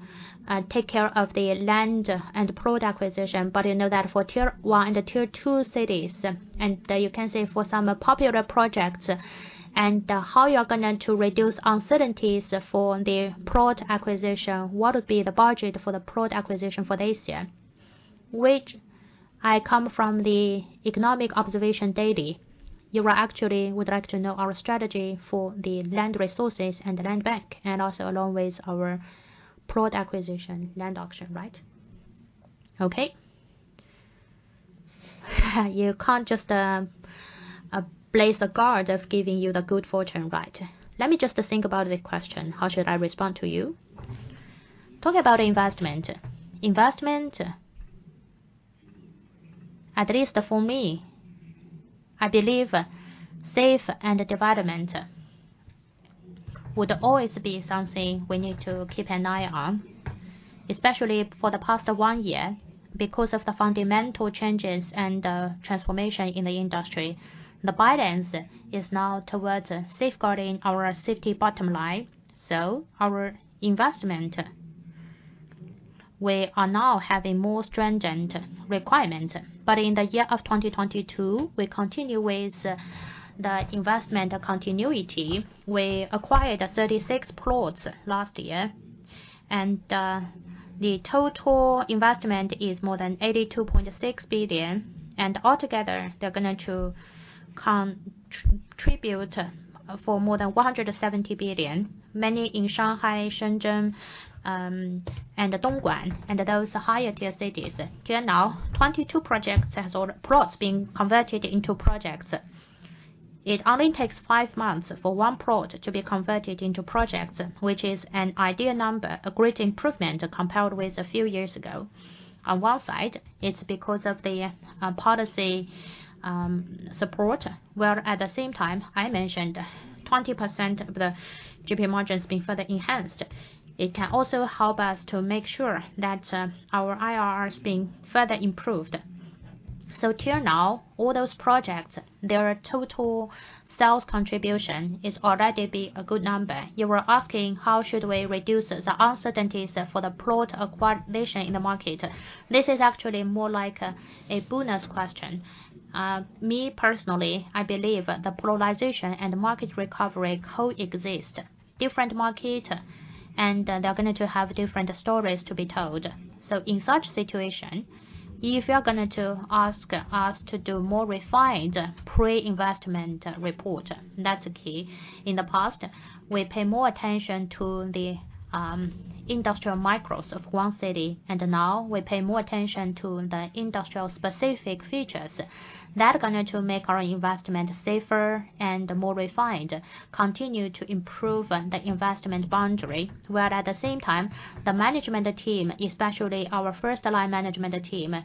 take care of the land and product acquisition. You know that for tier one and tier two cities, and you can say for some popular projects, and how you're gonna to reduce uncertainties for the product acquisition, what would be the budget for the product acquisition for this year? Which I come from the Economic Observer. You are actually would like to know our strategy for the land resources and the land bank, and also along with our broad acquisition land auction, right? You can't just place a guard of giving you the good fortune, right? Let me just think about the question. How should I respond to you? Talk about investment. Investment, at least for me, I believe safe and development would always be something we need to keep an eye on, especially for the past one year because of the fundamental changes and transformation in the industry. The balance is now towards safeguarding our safety bottom line. Our investment, we are now having more stringent requirements. In the year of 2022, we continue with the investment continuity. We acquired 36 plots last year, and the total investment is more than 82.6 billion. Altogether, they're gonna to contribute for more than 170 billion. Many in Shanghai, Shenzhen, and Dongguan and those higher tier cities. Till now, 22 projects has plots being converted into projects. It only takes five months for one plot to be converted into projects, which is an ideal number, a great improvement compared with a few years ago. On one side, it's because of the policy support, while at the same time, I mentioned 20% of the GP margin has been further enhanced It can also help us to make sure that our IRR has been further improved. Till now, all those projects, their total sales contribution is already be a good number. You were asking how should we reduce the uncertainties for the plot acquisition in the market. This is actually more like a bonus question. Me personally, I believe the polarization and market recovery coexist. Different market, they're going to have different stories to be told. In such situation, if you're going to ask us to do more refined pre-investment report, that's key. In the past, we pay more attention to the industrial micros of one city, now we pay more attention to the industrial specific features. That gonna to make our investment safer and more refined, continue to improve on the investment boundary. While at the same time, the management team, especially our first line management team,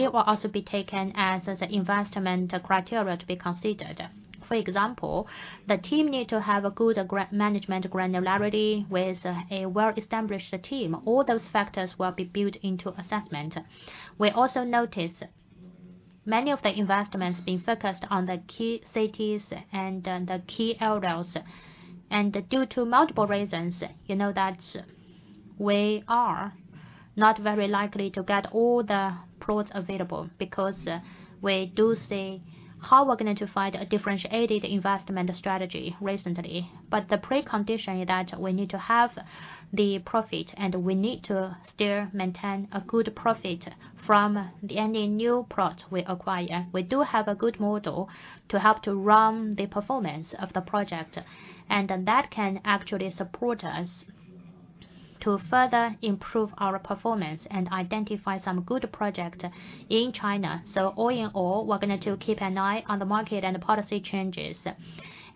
will also be taken as the investment criteria to be considered. For example, the team need to have a good management granularity with a well-established team. All those factors will be built into assessment. We also notice many of the investments being focused on the key cities and the key areas. Due to multiple reasons, you know that we are not very likely to get all the plots available because we do see how we're going to find a differentiated investment strategy recently. The precondition is that we need to have the profit, and we need to still maintain a good profit from any new plot we acquire. We do have a good model to help to run the performance of the project, and that can actually support us to further improve our performance and identify some good project in China. All in all, we're gonna to keep an eye on the market and the policy changes,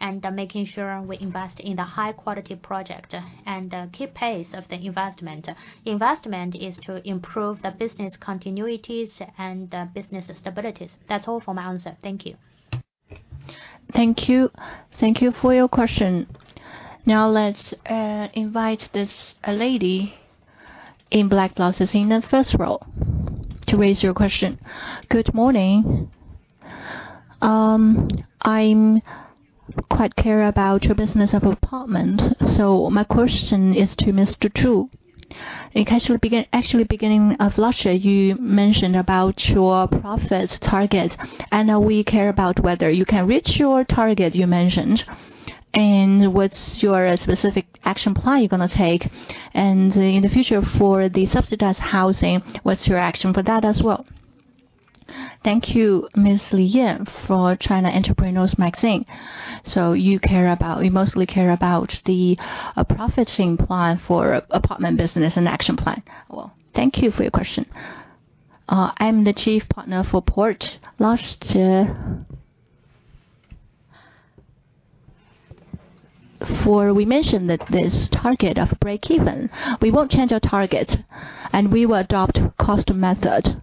and making sure we invest in the high quality project and, keep pace of the investment. Investment is to improve the business continuities and the business stabilities. That's all for my answer. Thank you. Thank you. Thank you for your question. Now let's invite this lady in black glasses in the first row to raise your question. Good morning. I'm quite care about your business of apartment. My question is to Mr. Zhu. Actually, beginning of last year, you mentioned about your profits target. I know we care about whether you can reach your target you mentioned, and what's your specific action plan you're gonna take? And in the future for the subsidized housing, what's your action for that as well? Thank you, Ms. Lien, for China Entrepreneurs magazine. You mostly care about the profiting plan for apartment business and action plan. Well, thank you for your question. I'm the chief partner for PORT. Last year, we mentioned that this target of breakeven, we won't change our target. We will adopt cost method.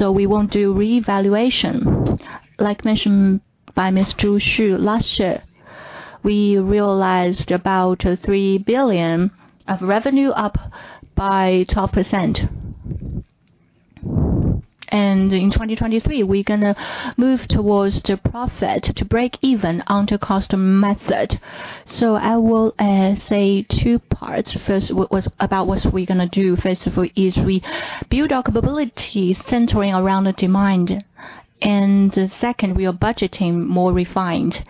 We won't do revaluation. Like mentioned by Ms. Zhu Xu, last year, we realized about 3 billion of revenue up by 12%. In 2023, we're gonna move towards to profit to break even onto cost method. I will say two parts. First, about what we're gonna do. First of all is we build our capability centering around the demand. Second, we are budgeting more refined.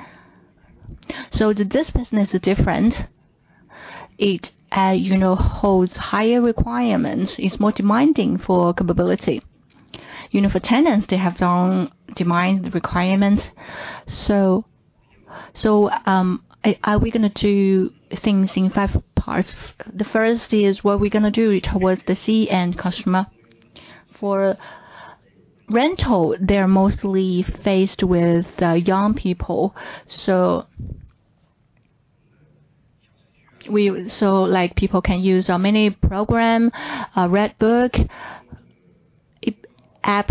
This business is different. It, you know, holds higher requirements. It's more demanding for capability. You know, for tenants, they have their own demand requirements. So we're gonna do things in five parts. The first is what we're gonna do towards the C-end customer. For rental, they're mostly faced with young people. Like, people can use our mini program, Red Book, app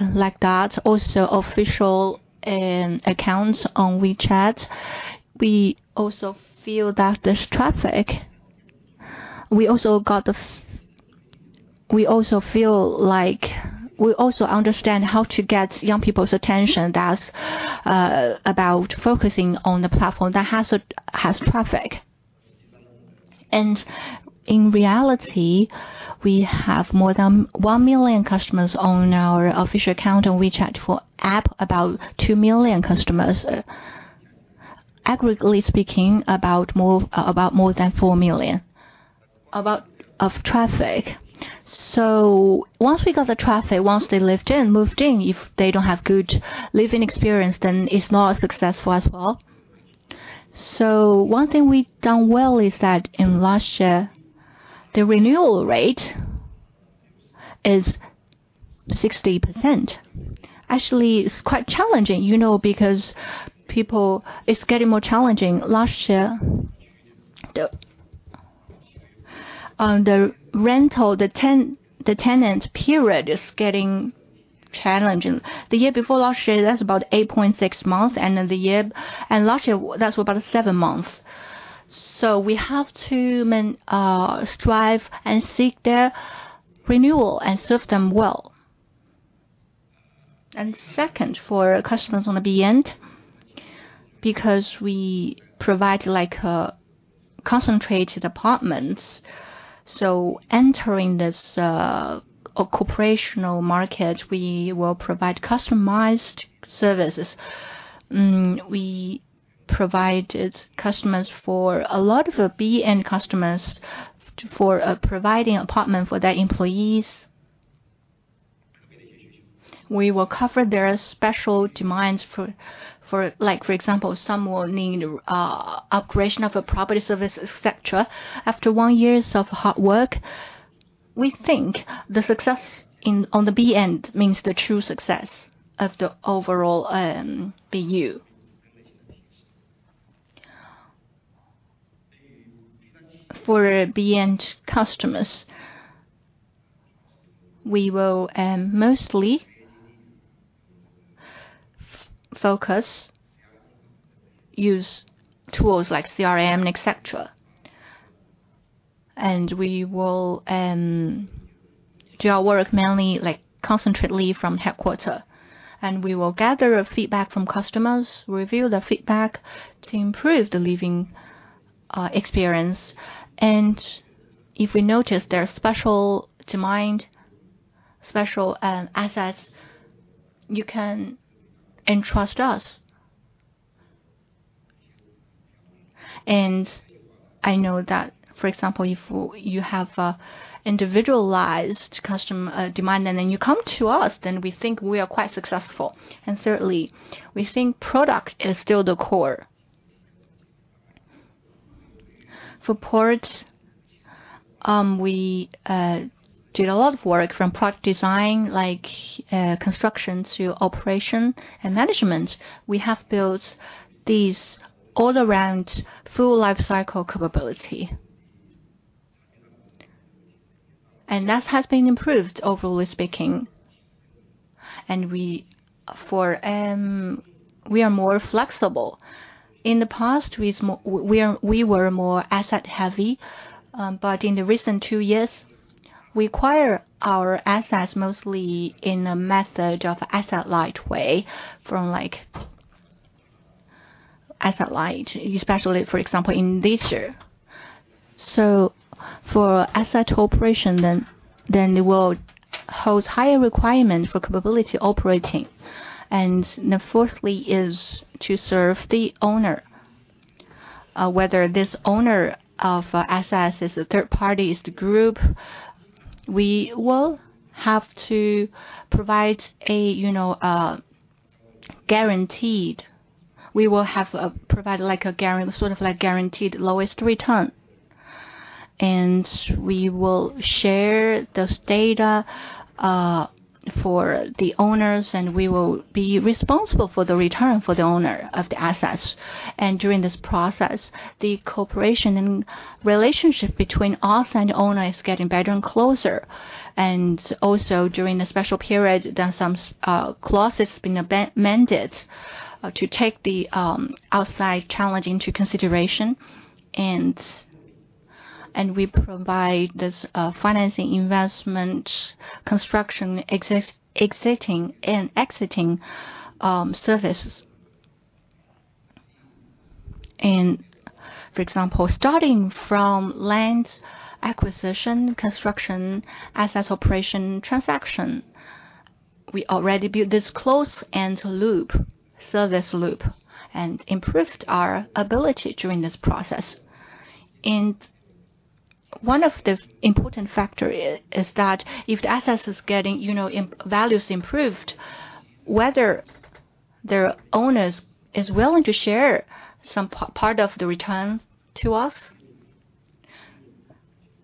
like that, also official accounts on WeChat. We also feel that this traffic, we also understand how to get young people's attention. That's about focusing on the platform that has traffic. In reality, we have more than 1 million customers on our official account on WeChat. For app, about 2 million customers. Aggregately speaking, about more than 4 million of traffic. Once we got the traffic, once they lived in, moved in, if they don't have good living experience, then it's not successful as well. One thing we've done well is that last year, the renewal rate is 60%. Actually, it's quite challenging, you know, because people... It's getting more challenging. Last year, the rental, the tenant period is getting challenging. The year before last year, that's about 8.6 months. Last year, that's about seven months. We have to strive and seek their renewal and serve them well. Second, for customers on the B-end, because we provide like concentrated apartments, entering this corporational market, we will provide customized services. We provide its customers for a lot B-end customers for providing apartment for their employees. We will cover their special demands for, like, for example, some will need operation of a property service, et cetera. After one year of hard work, we think the success on the B-end means the true success of the overall BU. For B-end customers, we will mostly focus, use tools like CRM, et cetera. We will do our work mainly, like concentratedly from headquarter. We will gather a feedback from customers, review the feedback to improve the living experience. If we notice there are special demand, special assets, you can entrust us. I know that, for example, if you have a individualized demand, you come to us, we think we are quite successful. Certainly, we think product is still the core. For port, we did a lot of work from product design, like construction to operation and management. We have built these all-around full lifecycle capability. That has been improved, overall speaking. We are more flexible. In the past, we were more asset-heavy. In the recent two years, we acquire our assets mostly in a method of asset-light way from like asset-light, especially, for example, in this year. For asset operation then, it will hold higher requirement for capability operating. Fourthly is to serve the owner. Whether this owner of assets is a third party, is the group, we will have to provide a, you know, guaranteed. We will have, provide like a sort of like guaranteed lowest return. We will share this data for the owners, and we will be responsible for the return for the owner of the assets. During this process, the cooperation and relationship between us and the owner is getting better and closer. Also during the special period, some clauses been amended to take the outside challenge into consideration. We provide this financing, investment, construction, exiting and exiting services. For example, starting from land acquisition, construction, assets operation, transaction. We already built this closed-end loop, service loop, and improved our ability during this process. One of the important factor is that if the asset is getting, you know, values improved, whether their owners is willing to share some part of the return to us.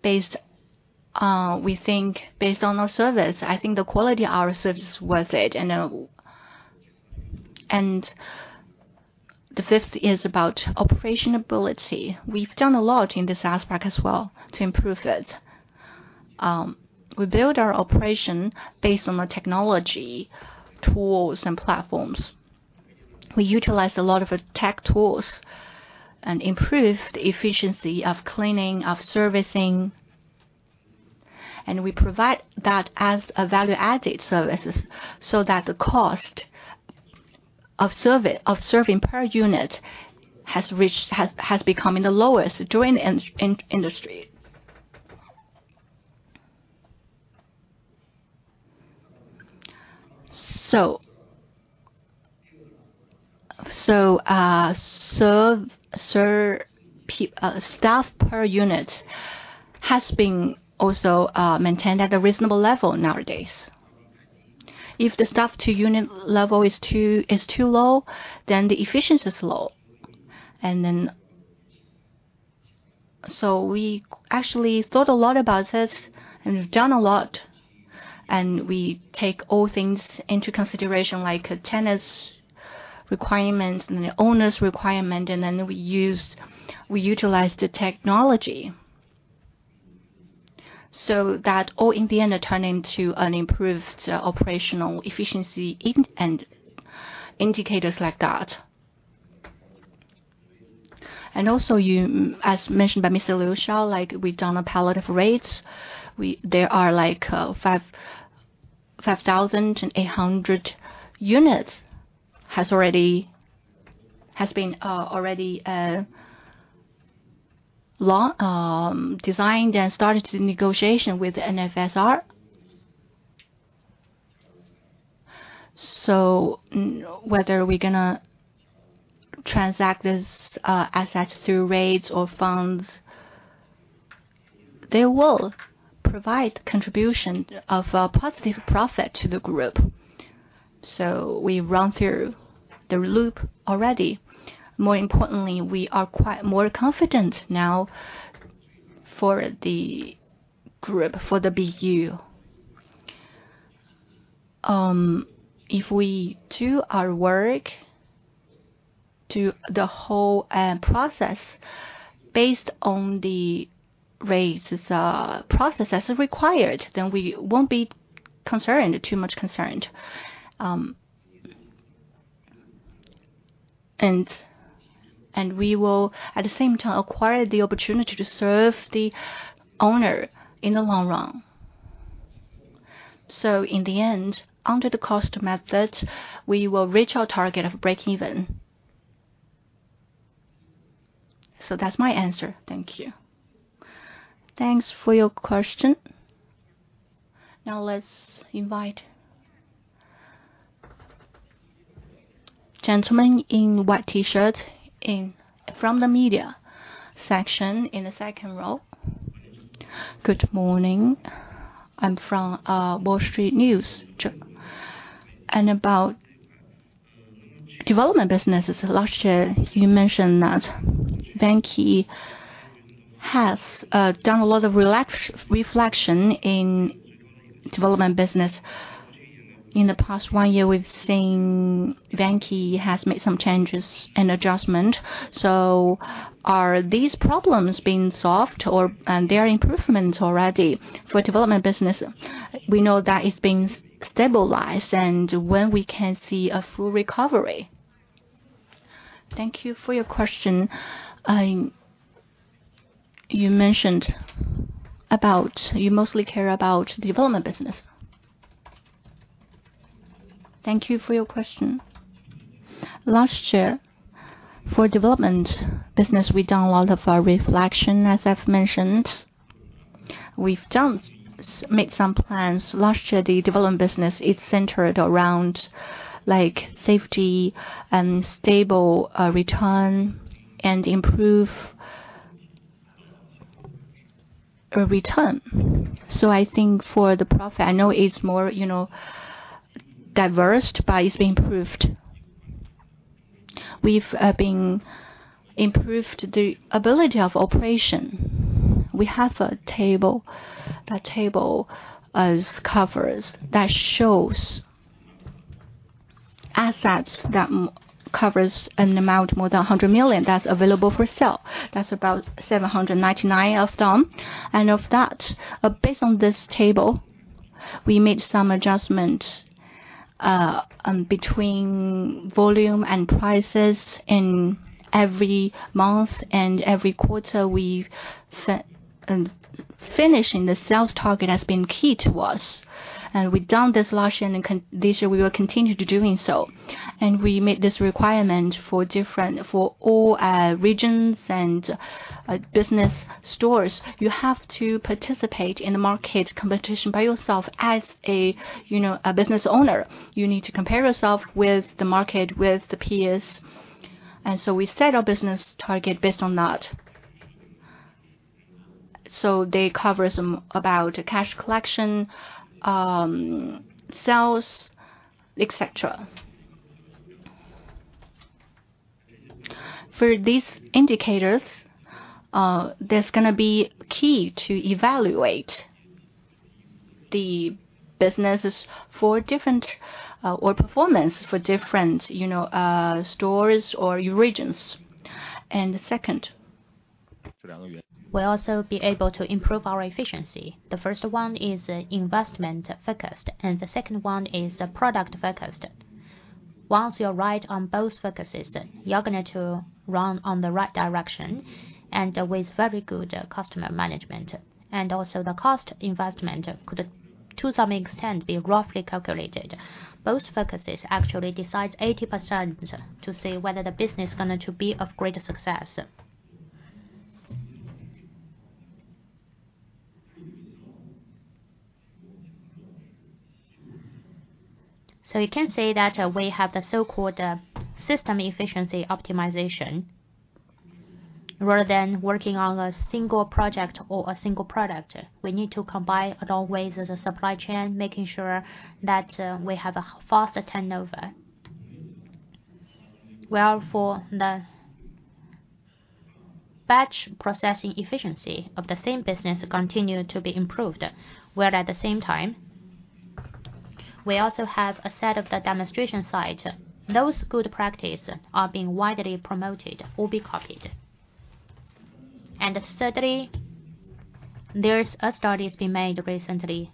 We think based on our service, I think the quality of our service is worth it. The fifth is about operation ability. We've done a lot in this aspect as well to improve it. We build our operation based on the technology tools and platforms. We utilize a lot of tech tools and improve the efficiency of cleaning, of servicing, and we provide that as a value-added services so that the cost of serving per unit has becoming the lowest during in industry. staff per unit has been also maintained at a reasonable level nowadays. If the staff to unit level is too low, then the efficiency is low. we actually thought a lot about this and we've done a lot, and we take all things into consideration, like a tenant's requirement and the owner's requirement, and then we use, we utilize the technology. that all in the end turn into an improved operational efficiency in and indicators like that. Also you, as mentioned by Mr. Xiao Liu, like, we've done a palette of REITs. There are like 5,800 units has already been designed and started the negotiation with NFSR. Whether we're gonna transact this asset through REITs or funds, they will provide contribution of a positive profit to the group. We run through the loop already. More importantly, we are quite more confident now for the group, for the BU. If we do our work to the whole process based on the REITs process as required, we won't be concerned, too much concerned. And we will, at the same time, acquire the opportunity to serve the owner in the long run. In the end, under the cost method, we will reach our target of breakeven. That's my answer. Thank you. Thanks for your question. Now let's invite gentlemen in white T-shirt in, from the media section in the second row. Good morning. I'm from Wall Street News. About development businesses, last year you mentioned that Vanke has done a lot of reflection in development business. In the past one year, we've seen Vanke has made some changes and adjustment. Are these problems being solved or... there are improvements already for development business? We know that it's being stabilized. When we can see a full recovery? Thank you for your question. You mostly care about development business. Thank you for your question. Last year, for development business, we've done a lot of reflection, as I've mentioned. We've made some plans. Last year, the development business is centered around, like, safety and stable return and improve return. I think for the profit, I know it's more, you know, diversed, but it's been improved. We've been improved the ability of operation. We have a table. The table covers, that shows assets that covers an amount more than 100 million that's available for sale. That's about 799 of them. Of that, based on this table, we made some adjustment between volume and prices in every month and every quarter we've set. Finishing the sales target has been key to us. We've done this last year and this year we will continue to doing so. We made this requirement for all regions and business stores. You have to participate in the market competition by yourself as a, you know, a business owner. You need to compare yourself with the market, with the peers, and so we set our business target based on that. They cover some about cash collection, sales, et cetera. For these indicators, there's gonna be key to evaluate the businesses for different or performance for different, you know, stores or regions. The second. We'll also be able to improve our efficiency. The first one is investment focused, and the second one is product focused. Once you're right on both focuses, you're gonna to run on the right direction and with very good customer management. Also the cost investment could, to some extent, be roughly calculated. Both focuses actually decides 80% to say whether the business is going to be of greater success. You can say that we have the so-called system efficiency optimization. Rather than working on a single project or a single product, we need to combine it always as a supply chain, making sure that we have a faster turnover. For the batch processing efficiency of the same business continue to be improved. Where at the same time, we also have a set of the demonstration site. Those good practice are being widely promoted or be copied. Thirdly, there's a study's been made recently.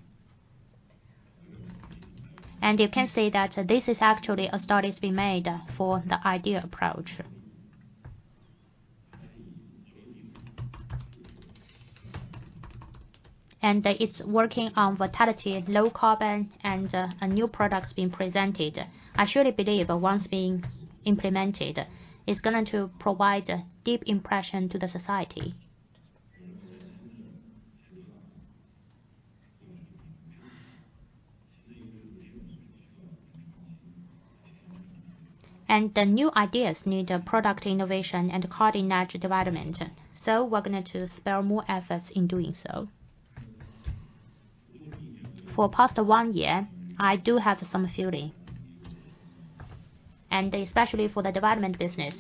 You can see that this is actually a study's been made for the idea approach. It's working on vitality, low carbon and new products being presented. I surely believe once being implemented, it's going to provide a deep impression to the society. The new ideas need a product innovation and coordinated development, so we're gonna to spare more efforts in doing so. For past one year, I do have some theory, especially for the development business.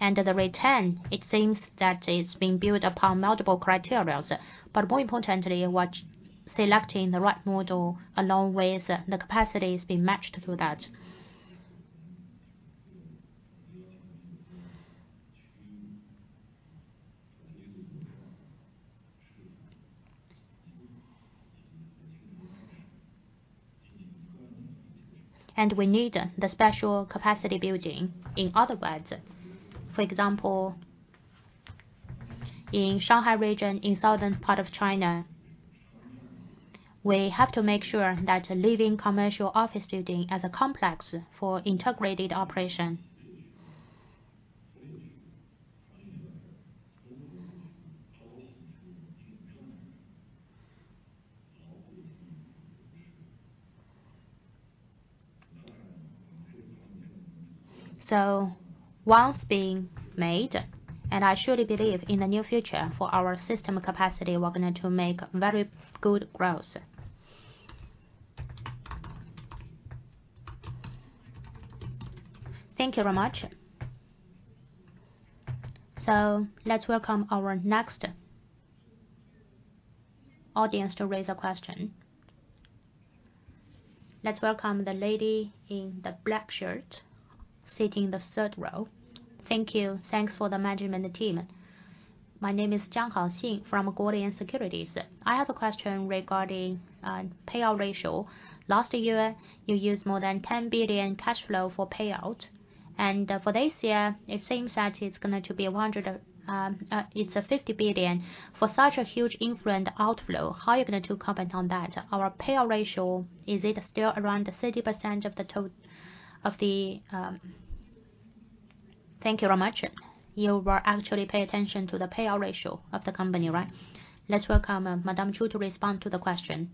The return, it seems that it's being built upon multiple criteria. More importantly, what selecting the right model along with the capacities being matched to that. We need the special capacity building in other parts. For example, in Shanghai region, in southern part of China, we have to make sure that leaving commercial office building as a complex for integrated operation. Once being made, I surely believe in the near future for our system capacity, we're gonna to make very good growth. Thank you very much. Let's welcome our next audience to raise a question. Let's welcome the lady in the black shirt, sitting in the third row. Thank you. Thanks for the management team. My name is Jiang Haoxin from Gordian Securities. I have a question regarding payout ratio. Last year, you used more than 10 billion cash flow for payout, and for this year, it seems that it's going to be a 50 billion. For such a huge influent outflow, how are you going to comment on that? Our payout ratio, is it still around 30% of the of the? Thank you very much. You will actually pay attention to the payout ratio of the company, right? Let's welcome Madame Zhu to respond to the question.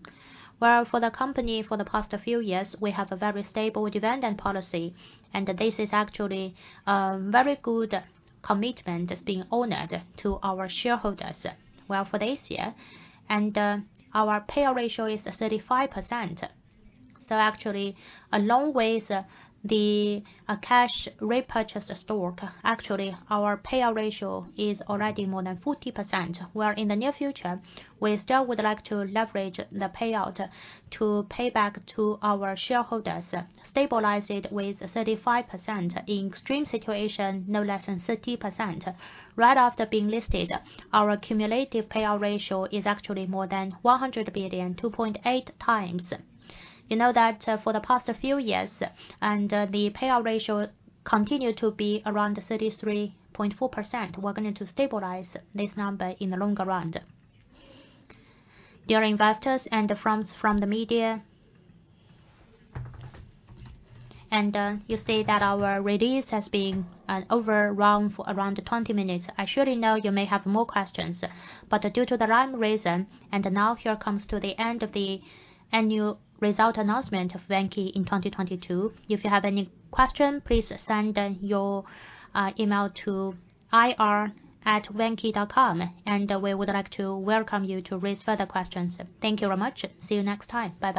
Well, for the company for the past few years, we have a very stable dividend policy, and this is actually a very good commitment that's being honored to our shareholders. Well, for this year, our payout ratio is 35%. Actually, along with the cash repurchase stock, actually our payout ratio is already more than 40%. Where in the near future, we still would like to leverage the payout to pay back to our shareholders, stabilize it with 35%. In extreme situation, no less than 30%. Right after being listed, our cumulative payout ratio is actually more than 100 billion, 2.8x. You know that for the past few years the payout ratio continued to be around 33.4%. We're going to stabilize this number in the longer run. Dear investors and friends from the media. You see that our release has been over around for around 20 minutes. I surely know you may have more questions. Due to the time reason, now here comes to the end of the annual result announcement of Vanke in 2022. If you have any question, please send your email to ir@vanke.com, and we would like to welcome you to raise further questions. Thank you very much. See you next time. Bye-bye.